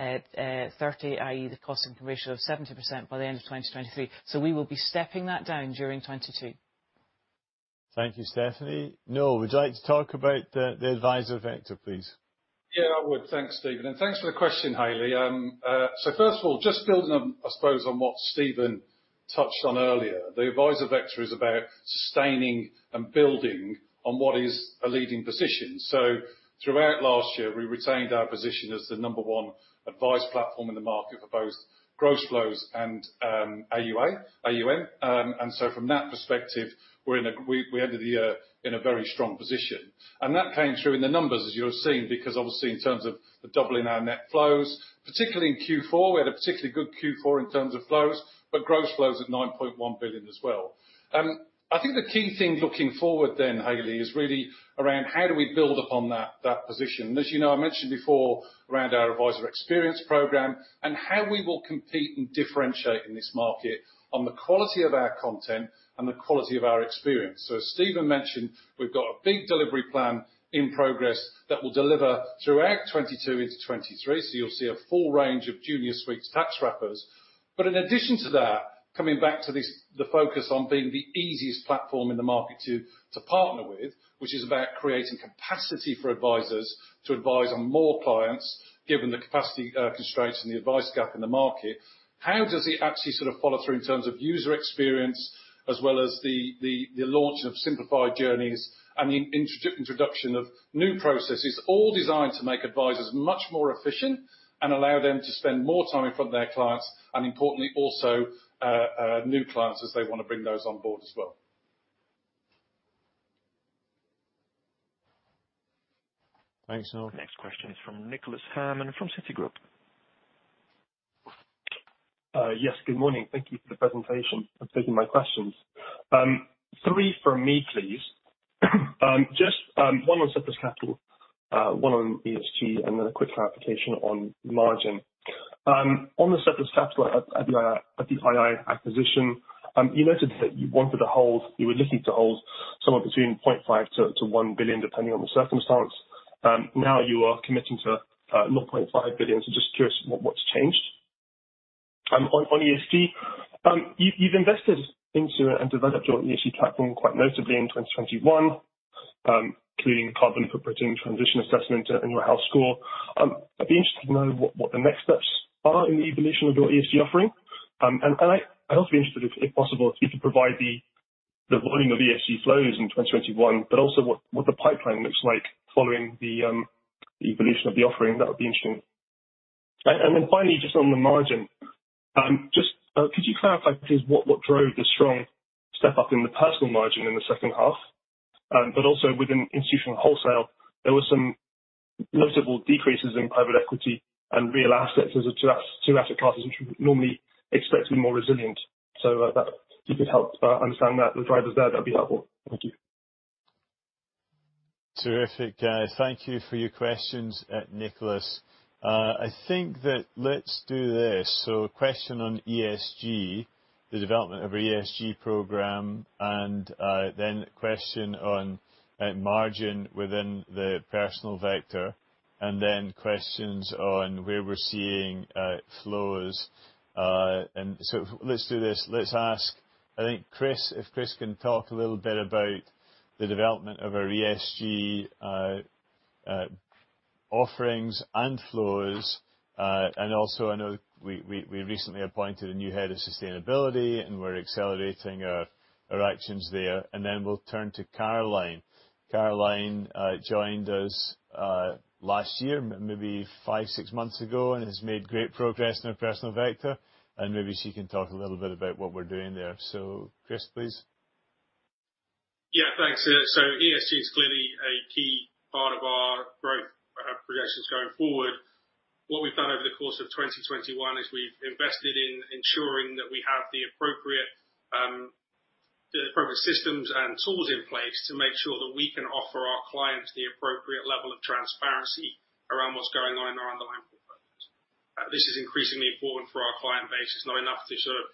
Speaker 2: 30%, i.e. The cost-income ratio of 70% by the end of 2023. We will be stepping that down during 2022.
Speaker 1: Thank you, Stephanie. Noel, would you like to talk about the advisor vector, please?
Speaker 7: Yeah, I would. Thanks, Stephen. Thanks for the question, Haley. First of all, just building on, I suppose, on what Stephen touched on earlier. The advisor vector is about sustaining and building on what is a leading position. Throughout last year, we retained our position as the number one advice platform in the market for both gross flows and AUA, AUM. From that perspective, we entered the year in a very strong position. That came through in the numbers as you have seen, because obviously in terms of the doubling our net flows. Particularly in Q4, we had a particularly good Q4 in terms of flows, but gross flows at 9.1 billion as well. I think the key thing looking forward then, Haley, is really around how do we build upon that position. As you know, I mentioned before around our advisor experience program and how we will compete and differentiate in this market on the quality of our content and the quality of our experience. As Stephen mentioned, we've got a big delivery plan in progress that will deliver throughout 2022 into 2023. You'll see a full range of Junior ISAs tax wrappers. In addition to that, coming back to this, the focus on being the easiest platform in the market to partner with, which is about creating capacity for advisors to advise on more clients, given the capacity constraints and the advice gap in the market. How does it actually sort of follow through in terms of user experience as well as the launch of simplified journeys and the introduction of new processes all designed to make advisors much more efficient and allow them to spend more time in front of their clients, and importantly also new clients as they wanna bring those on board as well?
Speaker 1: Thanks, Noel.
Speaker 3: Next question is from Nicholas Herman from Citigroup.
Speaker 8: Yes, good morning. Thank you for the presentation and taking my questions. Three from me, please. Just one on surplus capital, one on ESG, and then a quick clarification on margin. On the surplus capital at the ii acquisition, you noted that you were looking to hold somewhere between 0.5 billion-1 billion, depending on the circumstance. Now you are committing to 1.5 billion, so just curious what's changed. On ESG, you've invested into and developed your ESG platform quite notably in 2021, including carbon footprint and transition assessment and your health score. I'd be interested to know what the next steps are in the evolution of your ESG offering. I'd also be interested, if possible, if you could provide the The volume of ESG flows in 2021, but also what the pipeline looks like following the evolution of the offering, that would be interesting. Then finally, just on the margin, just could you clarify please what drove the strong step up in the personal margin in the second half? Also within institutional wholesale, there were some notable decreases in private equity and real assets as to that capacity which we would normally expect to be more resilient. That, if you could help understand that, the drivers there, that'd be helpful. Thank you.
Speaker 1: Terrific. Thank you for your questions, Nicholas. I think let's do this. Question on ESG, the development of our ESG program, and then question on margin within the personal wealth, and then questions on where we're seeing flows. Let's do this. Let's ask, I think, Chris if Chris can talk a little bit about the development of our ESG offerings and flows. Also, I know we recently appointed a new head of sustainability, and we're accelerating our actions there. Then we'll turn to Caroline. Caroline joined us last year, maybe five, six months ago, and has made great progress in her personal wealth. Maybe she can talk a little bit about what we're doing there. Chris, please.
Speaker 6: Yeah, thanks. ESG is clearly a key part of our growth projections going forward. What we've done over the course of 2021 is we've invested in ensuring that we have the appropriate systems and tools in place to make sure that we can offer our clients the appropriate level of transparency around what's going on in our underlying portfolio. This is increasingly important for our client base. It's not enough to sort of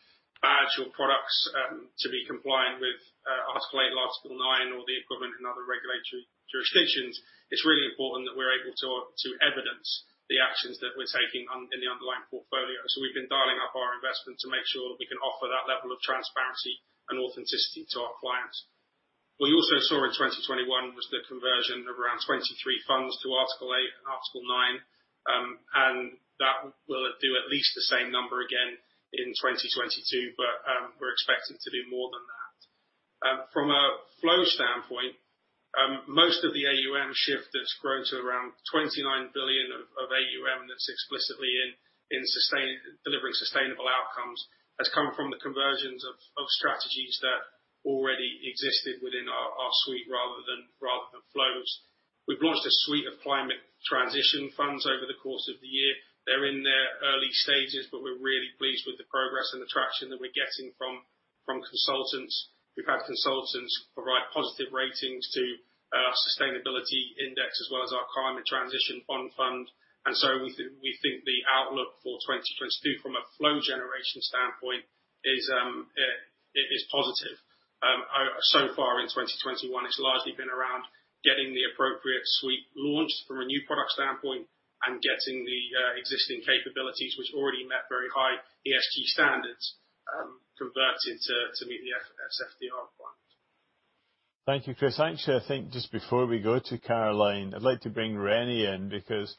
Speaker 6: badge your products to be compliant with Article 8 or Article 9 or the equivalent in other regulatory jurisdictions. It's really important that we're able to evidence the actions that we're taking in the underlying portfolio. We've been dialing up our investment to make sure that we can offer that level of transparency and authenticity to our clients. What you also saw in 2021 was the conversion of around 23 funds to Article 8 and Article 9. That will do at least the same number again in 2022, but we're expecting to do more than that. From a flow standpoint, most of the AUM shift that's grown to around 29 billion of AUM that's explicitly delivering sustainable outcomes has come from the conversions of strategies that already existed within our suite rather than flows. We've launched a suite of climate transition funds over the course of the year. They're in their early stages, but we're really pleased with the progress and the traction that we're getting from consultants. We've had consultants provide positive ratings to our sustainability index as well as our climate transition fund. We think the outlook for 2022 from a flow generation standpoint is positive. Far in 2021, it's largely been around getting the appropriate suite launched from a new product standpoint and getting the existing capabilities which already met very high ESG standards converted to meet the SFDR requirement.
Speaker 1: Thank you, Chris. Actually, I think just before we go to Caroline, I'd like to bring Rene in because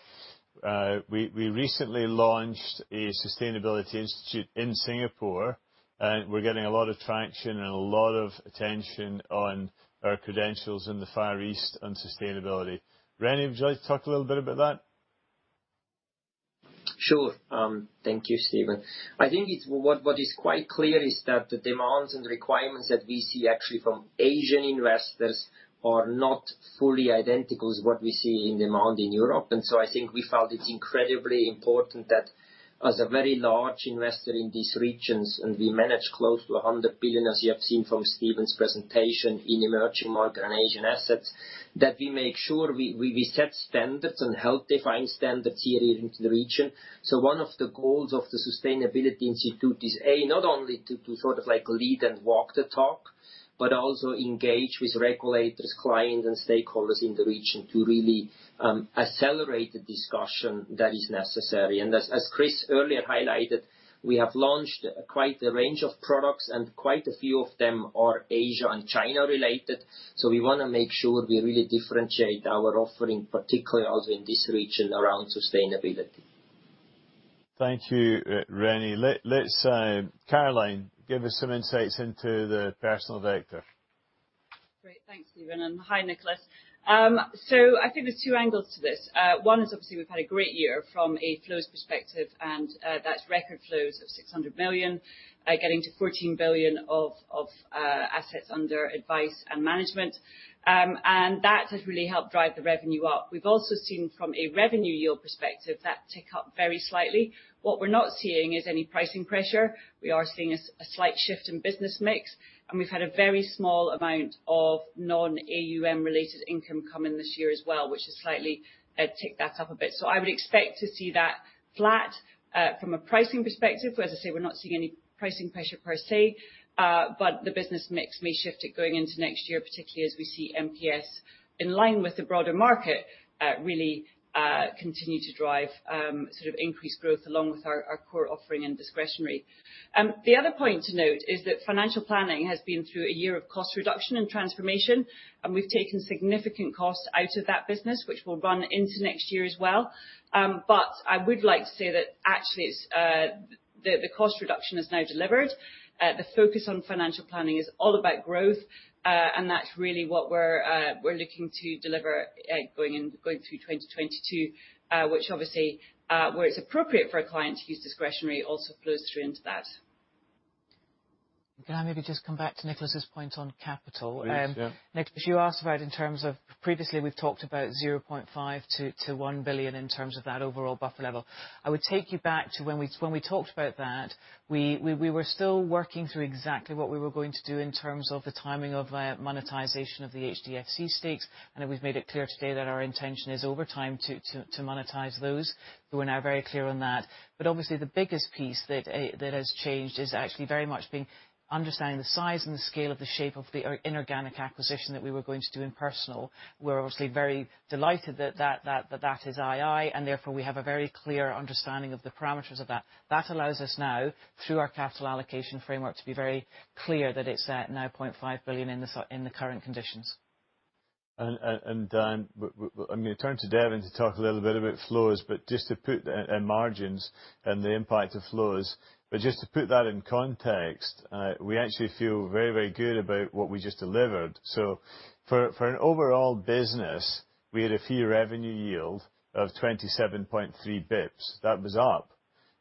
Speaker 1: we recently launched a sustainability institute in Singapore, and we're getting a lot of traction and a lot of attention on our credentials in the Far East on sustainability. Rene, would you like to talk a little bit about that?
Speaker 9: Sure. Thank you, Stephen. I think what is quite clear is that the demands and requirements that we see actually from Asian investors are not fully identical to what we see in demand in Europe. I think we felt it's incredibly important that as a very large investor in these regions, and we manage close to 100 billion, as you have seen from Stephen's presentation, in emerging market and Asian assets, that we make sure we set standards and help define standards here in the region. One of the goals of the Sustainability Institute is, A, not only to sort of like lead and walk the talk, but also engage with regulators, clients and stakeholders in the region to really accelerate the discussion that is necessary. As Chris earlier highlighted, we have launched quite a range of products, and quite a few of them are Asia and China related. We wanna make sure we really differentiate our offering, particularly also in this region around sustainability.
Speaker 1: Thank you, Rene. Caroline, give us some insights into the personal sector.
Speaker 10: Great. Thanks, Stephen, and hi, Nicholas. I think there's two angles to this. One is obviously we've had a great year from a flows perspective, and that's record flows of 600 million, getting to 14 billion of assets under advice and management. And that has really helped drive the revenue up. We've also seen from a revenue yield perspective, that tick up very slightly. What we're not seeing is any pricing pressure. We are seeing a slight shift in business mix, and we've had a very small amount of non-AUM related income come in this year as well, which has slightly ticked that up a bit. I would expect to see that flat from a pricing perspective. As I say, we're not seeing any pricing pressure per se, but the business mix may shift it going into next year, particularly as we see MPS in line with the broader market, really, continue to drive sort of increased growth along with our core offering and discretionary. The other point to note is that financial planning has been through a year of cost reduction and transformation, and we've taken significant costs out of that business, which will run into next year as well. I would like to say that actually it's the cost reduction is now delivered. The focus on financial planning is all about growth, and that's really what we're looking to deliver going through 2022, which obviously, where it's appropriate for a client to use discretionary also flows through into that.
Speaker 2: Can I maybe just come back to Nicholas's point on capital?
Speaker 1: Please, yeah.
Speaker 2: Nick, you asked about in terms of previously we've talked about 0.5 billion-1 billion in terms of that overall buffer level. I would take you back to when we talked about that, we were still working through exactly what we were going to do in terms of the timing of monetization of the HDFC stakes. We've made it clear today that our intention is over time to monetize those. We're now very clear on that. Obviously the biggest piece that has changed is actually very much been understanding the size and the scale of the shape of the inorganic acquisition that we were going to do in personal. We're obviously very delighted that that is ii, and therefore we have a very clear understanding of the parameters of that. That allows us now, through our capital allocation framework, to be very clear that it's at now 0.5 billion in the current conditions.
Speaker 1: I'm gonna turn to Devan to talk a little bit about flows, but just to put and margins and the impact of flows. Just to put that in context, we actually feel very, very good about what we just delivered. For the overall business, we had a fee revenue yield of 27.3 basis points. That was up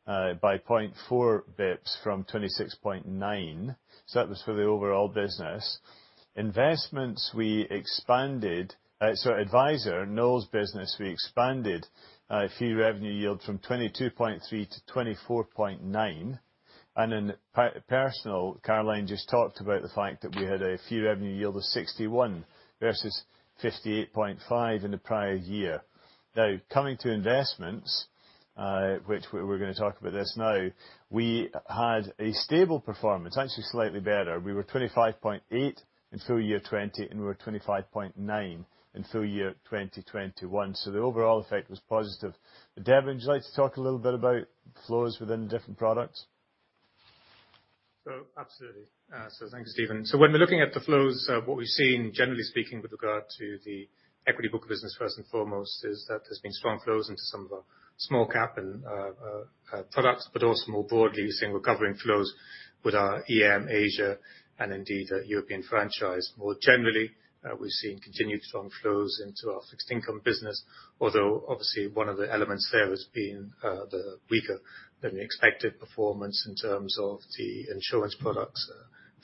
Speaker 1: by 0.4 basis points from 26.9. That was for the overall business. Investments, we expanded. Adviser, Noel's business, we expanded fee revenue yield from 22.3 to 24.9 basis points. In personal, Caroline just talked about the fact that we had a fee revenue yield of 61 versus 58.5 in the prior year. Now, coming to investments, which we're gonna talk about this now, we had a stable performance, actually slightly better. We were 25.8% in full year 2020, and we were 25.9% in full year 2021. The overall effect was positive. Devan, would you like to talk a little bit about flows within the different products?
Speaker 11: Absolutely. Thank you, Stephen. When we're looking at the flows, what we've seen, generally speaking, with regard to the equity book business first and foremost, is that there's been strong flows into some of our small cap and products, but also more broadly, we're seeing recovering flows with our EM Asia and indeed our European franchise. More generally, we've seen continued strong flows into our fixed income business, although obviously one of the elements there has been the weaker than expected performance in terms of the insurance products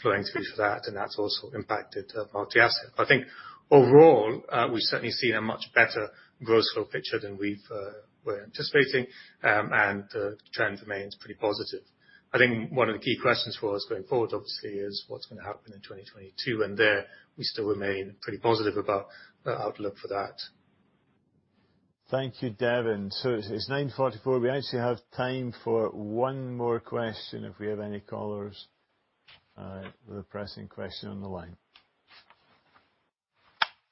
Speaker 11: flowing through for that, and that's also impacted multi-asset. I think overall, we've certainly seen a much better gross flow picture than we've were anticipating, and the trend remains pretty positive. I think one of the key questions for us going forward, obviously, is what's gonna happen in 2022, and there we still remain pretty positive about the outlook for that.
Speaker 1: Thank you, Devan. It's 9:44. We actually have time for one more question, if we have any callers with a pressing question on the line.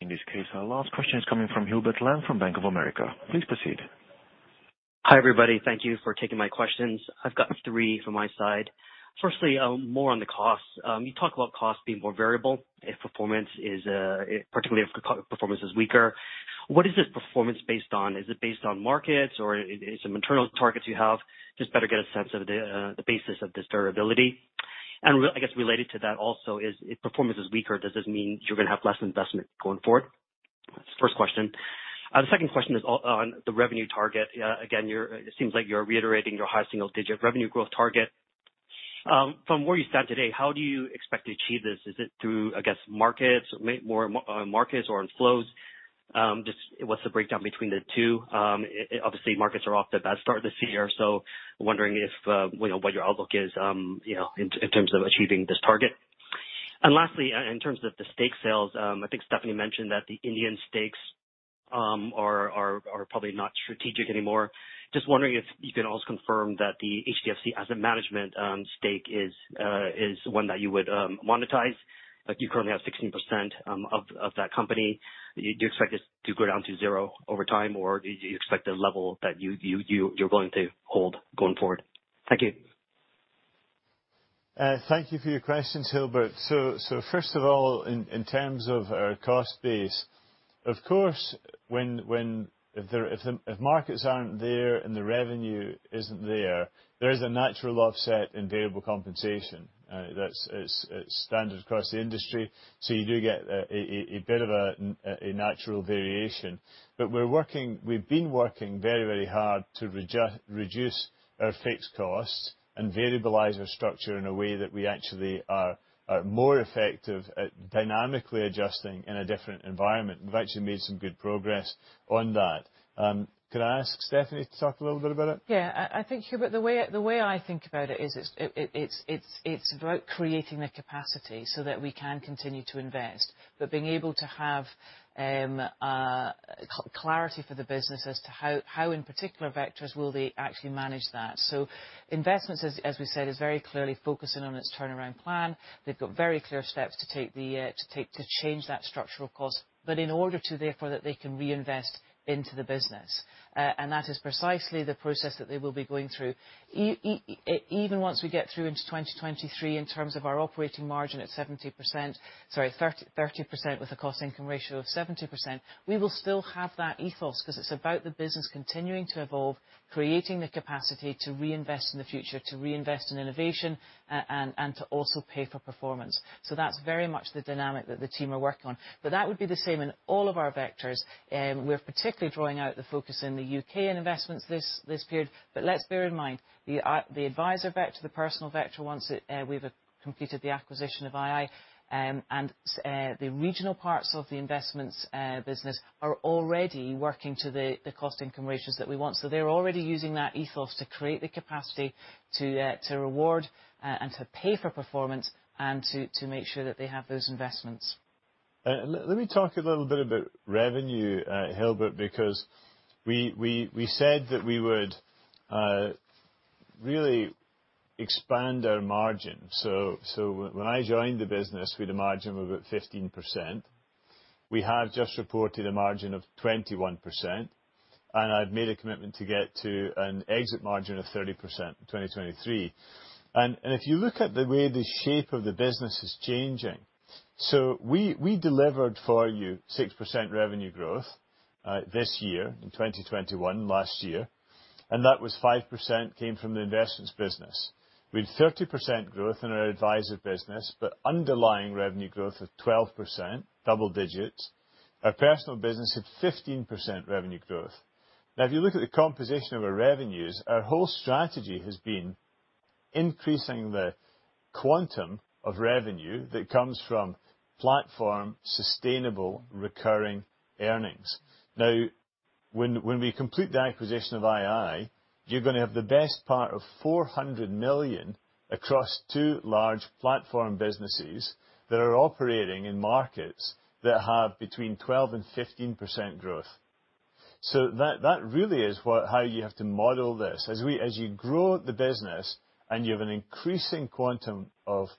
Speaker 3: In this case, our last question is coming from Hubert Lam from Bank of America. Please proceed.
Speaker 12: Hi, everybody. Thank you for taking my questions. I've got three from my side. Firstly, more on the costs. You talk about costs being more variable if performance is particularly if performance is weaker. What is this performance based on? Is it based on markets or is it some internal targets you have? Just to get a better sense of the basis of this durability. Related to that also is if performance is weaker, does this mean you're gonna have less investment going forward? That's the first question. The second question is on the revenue target. Again, it seems like you're reiterating your high single digit revenue growth target. From where you stand today, how do you expect to achieve this? Is it through markets, I guess, more markets or inflows? Just what's the breakdown between the two? Obviously markets are off to a bad start this year, so wondering if you know what your outlook is you know in terms of achieving this target. Lastly, in terms of the stake sales, I think Stephanie mentioned that the Indian stakes are probably not strategic anymore. Just wondering if you can also confirm that the HDFC Asset Management stake is one that you would monetize. Like you currently have 16% of that company. Do you expect this to go down to zero over time, or do you expect a level that you're going to hold going forward? Thank you.
Speaker 1: Thank you for your questions, Hubert. First of all, in terms of our cost base, of course, if markets aren't there and the revenue isn't there is a natural offset in variable compensation. That's. It's standard across the industry. You do get a bit of a natural variation. We're working, we've been working very hard to reduce our fixed costs and variabilize our structure in a way that we actually are more effective at dynamically adjusting in a different environment. We've actually made some good progress on that. Could I ask Stephanie to talk a little bit about it?
Speaker 2: Yeah. I think, Hubert, the way I think about it is it's about creating the capacity so that we can continue to invest, but being able to have clarity for the business as to how in particular vectors will they actually manage that. Investments, as we said, is very clearly focusing on its turnaround plan. They've got very clear steps to take to change that structural cost, but in order to therefore that they can reinvest into the business. That is precisely the process that they will be going through. Even once we get through into 2023 in terms of our operating margin at 30% with a cost-income ratio of 70%, we will still have that ethos 'cause it's about the business continuing to evolve, creating the capacity to reinvest in the future, to reinvest in innovation, and to also pay for performance. That's very much the dynamic that the team are working on. That would be the same in all of our vectors. We're particularly drawing out the focus in the U.K. investments this period. Let's bear in mind, the advisor vector, the personal vector, once we've completed the acquisition of ii, and the regional parts of the investments business are already working to the cost-income ratios that we want. They're already using that ethos to create the capacity to reward and to pay for performance and to make sure that they have those investments.
Speaker 1: Let me talk a little bit about revenue, Hubert, because we said that we would really expand our margin. When I joined the business, we had a margin of about 15%. We have just reported a margin of 21%, and I've made a commitment to get to an exit margin of 30% in 2023. If you look at the way the shape of the business is changing, we delivered for you 6% revenue growth this year in 2021 last year, and 5% came from the investments business. We had 30% growth in our advisor business, but underlying revenue growth of 12%, double digits. Our personal business had 15% revenue growth. Now, if you look at the composition of our revenues, our whole strategy has been increasing the quantum of revenue that comes from platform sustainable recurring earnings. When we complete the acquisition of ii, you're gonna have the best part of 400 million across two large platform businesses that are operating in markets that have 12%-15% growth. That really is what, how you have to model this. As you grow the business and you have an increasing quantum of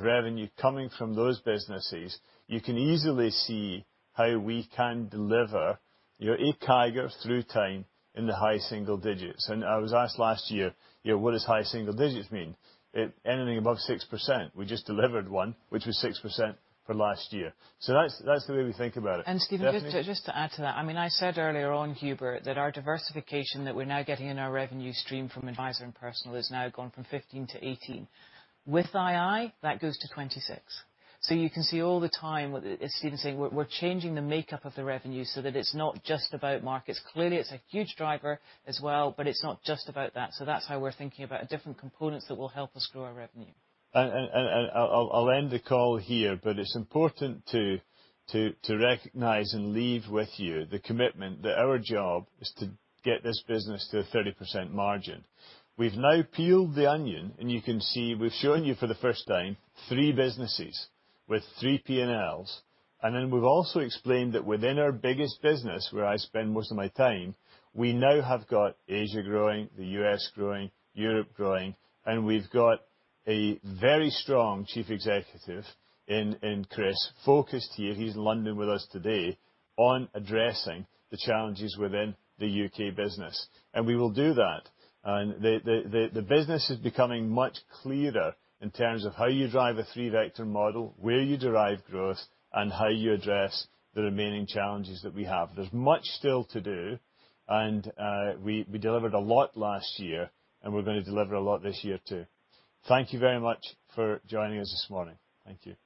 Speaker 1: revenue coming from those businesses, you can easily see how we can deliver our revenue CAGR through time in the high single digits. I was asked last year, you know, "What does high single digits mean?" It, anything above 6%. We just delivered one, which was 6% for last year. That's the way we think about it. Stephanie?
Speaker 2: Stephen, just to add to that, I mean, I said earlier on, Hubert, that our diversification that we're now getting in our revenue stream from Adviser and Personal has now gone from 15%-18%. With ii, that goes to 26%. You can see all the time, as Stephen was saying, we're changing the makeup of the revenue so that it's not just about markets. Clearly, it's a huge driver as well, but it's not just about that. That's how we're thinking about different components that will help us grow our revenue.
Speaker 1: I'll end the call here, but it's important to recognize and leave with you the commitment that our job is to get this business to a 30% margin. We've now peeled the onion, and you can see we've shown you for the first time three businesses with three P&Ls. Then we've also explained that within our biggest business, where I spend most of my time, we now have got Asia growing, the U.S. growing, Europe growing, and we've got a very strong chief executive in Chris focused here, he's in London with us today, on addressing the challenges within the U.K. business. We will do that. The business is becoming much clearer in terms of how you drive a three-vector model, where you derive growth, and how you address the remaining challenges that we have. There's much still to do, and we delivered a lot last year, and we're gonna deliver a lot this year too. Thank you very much for joining us this morning. Thank you.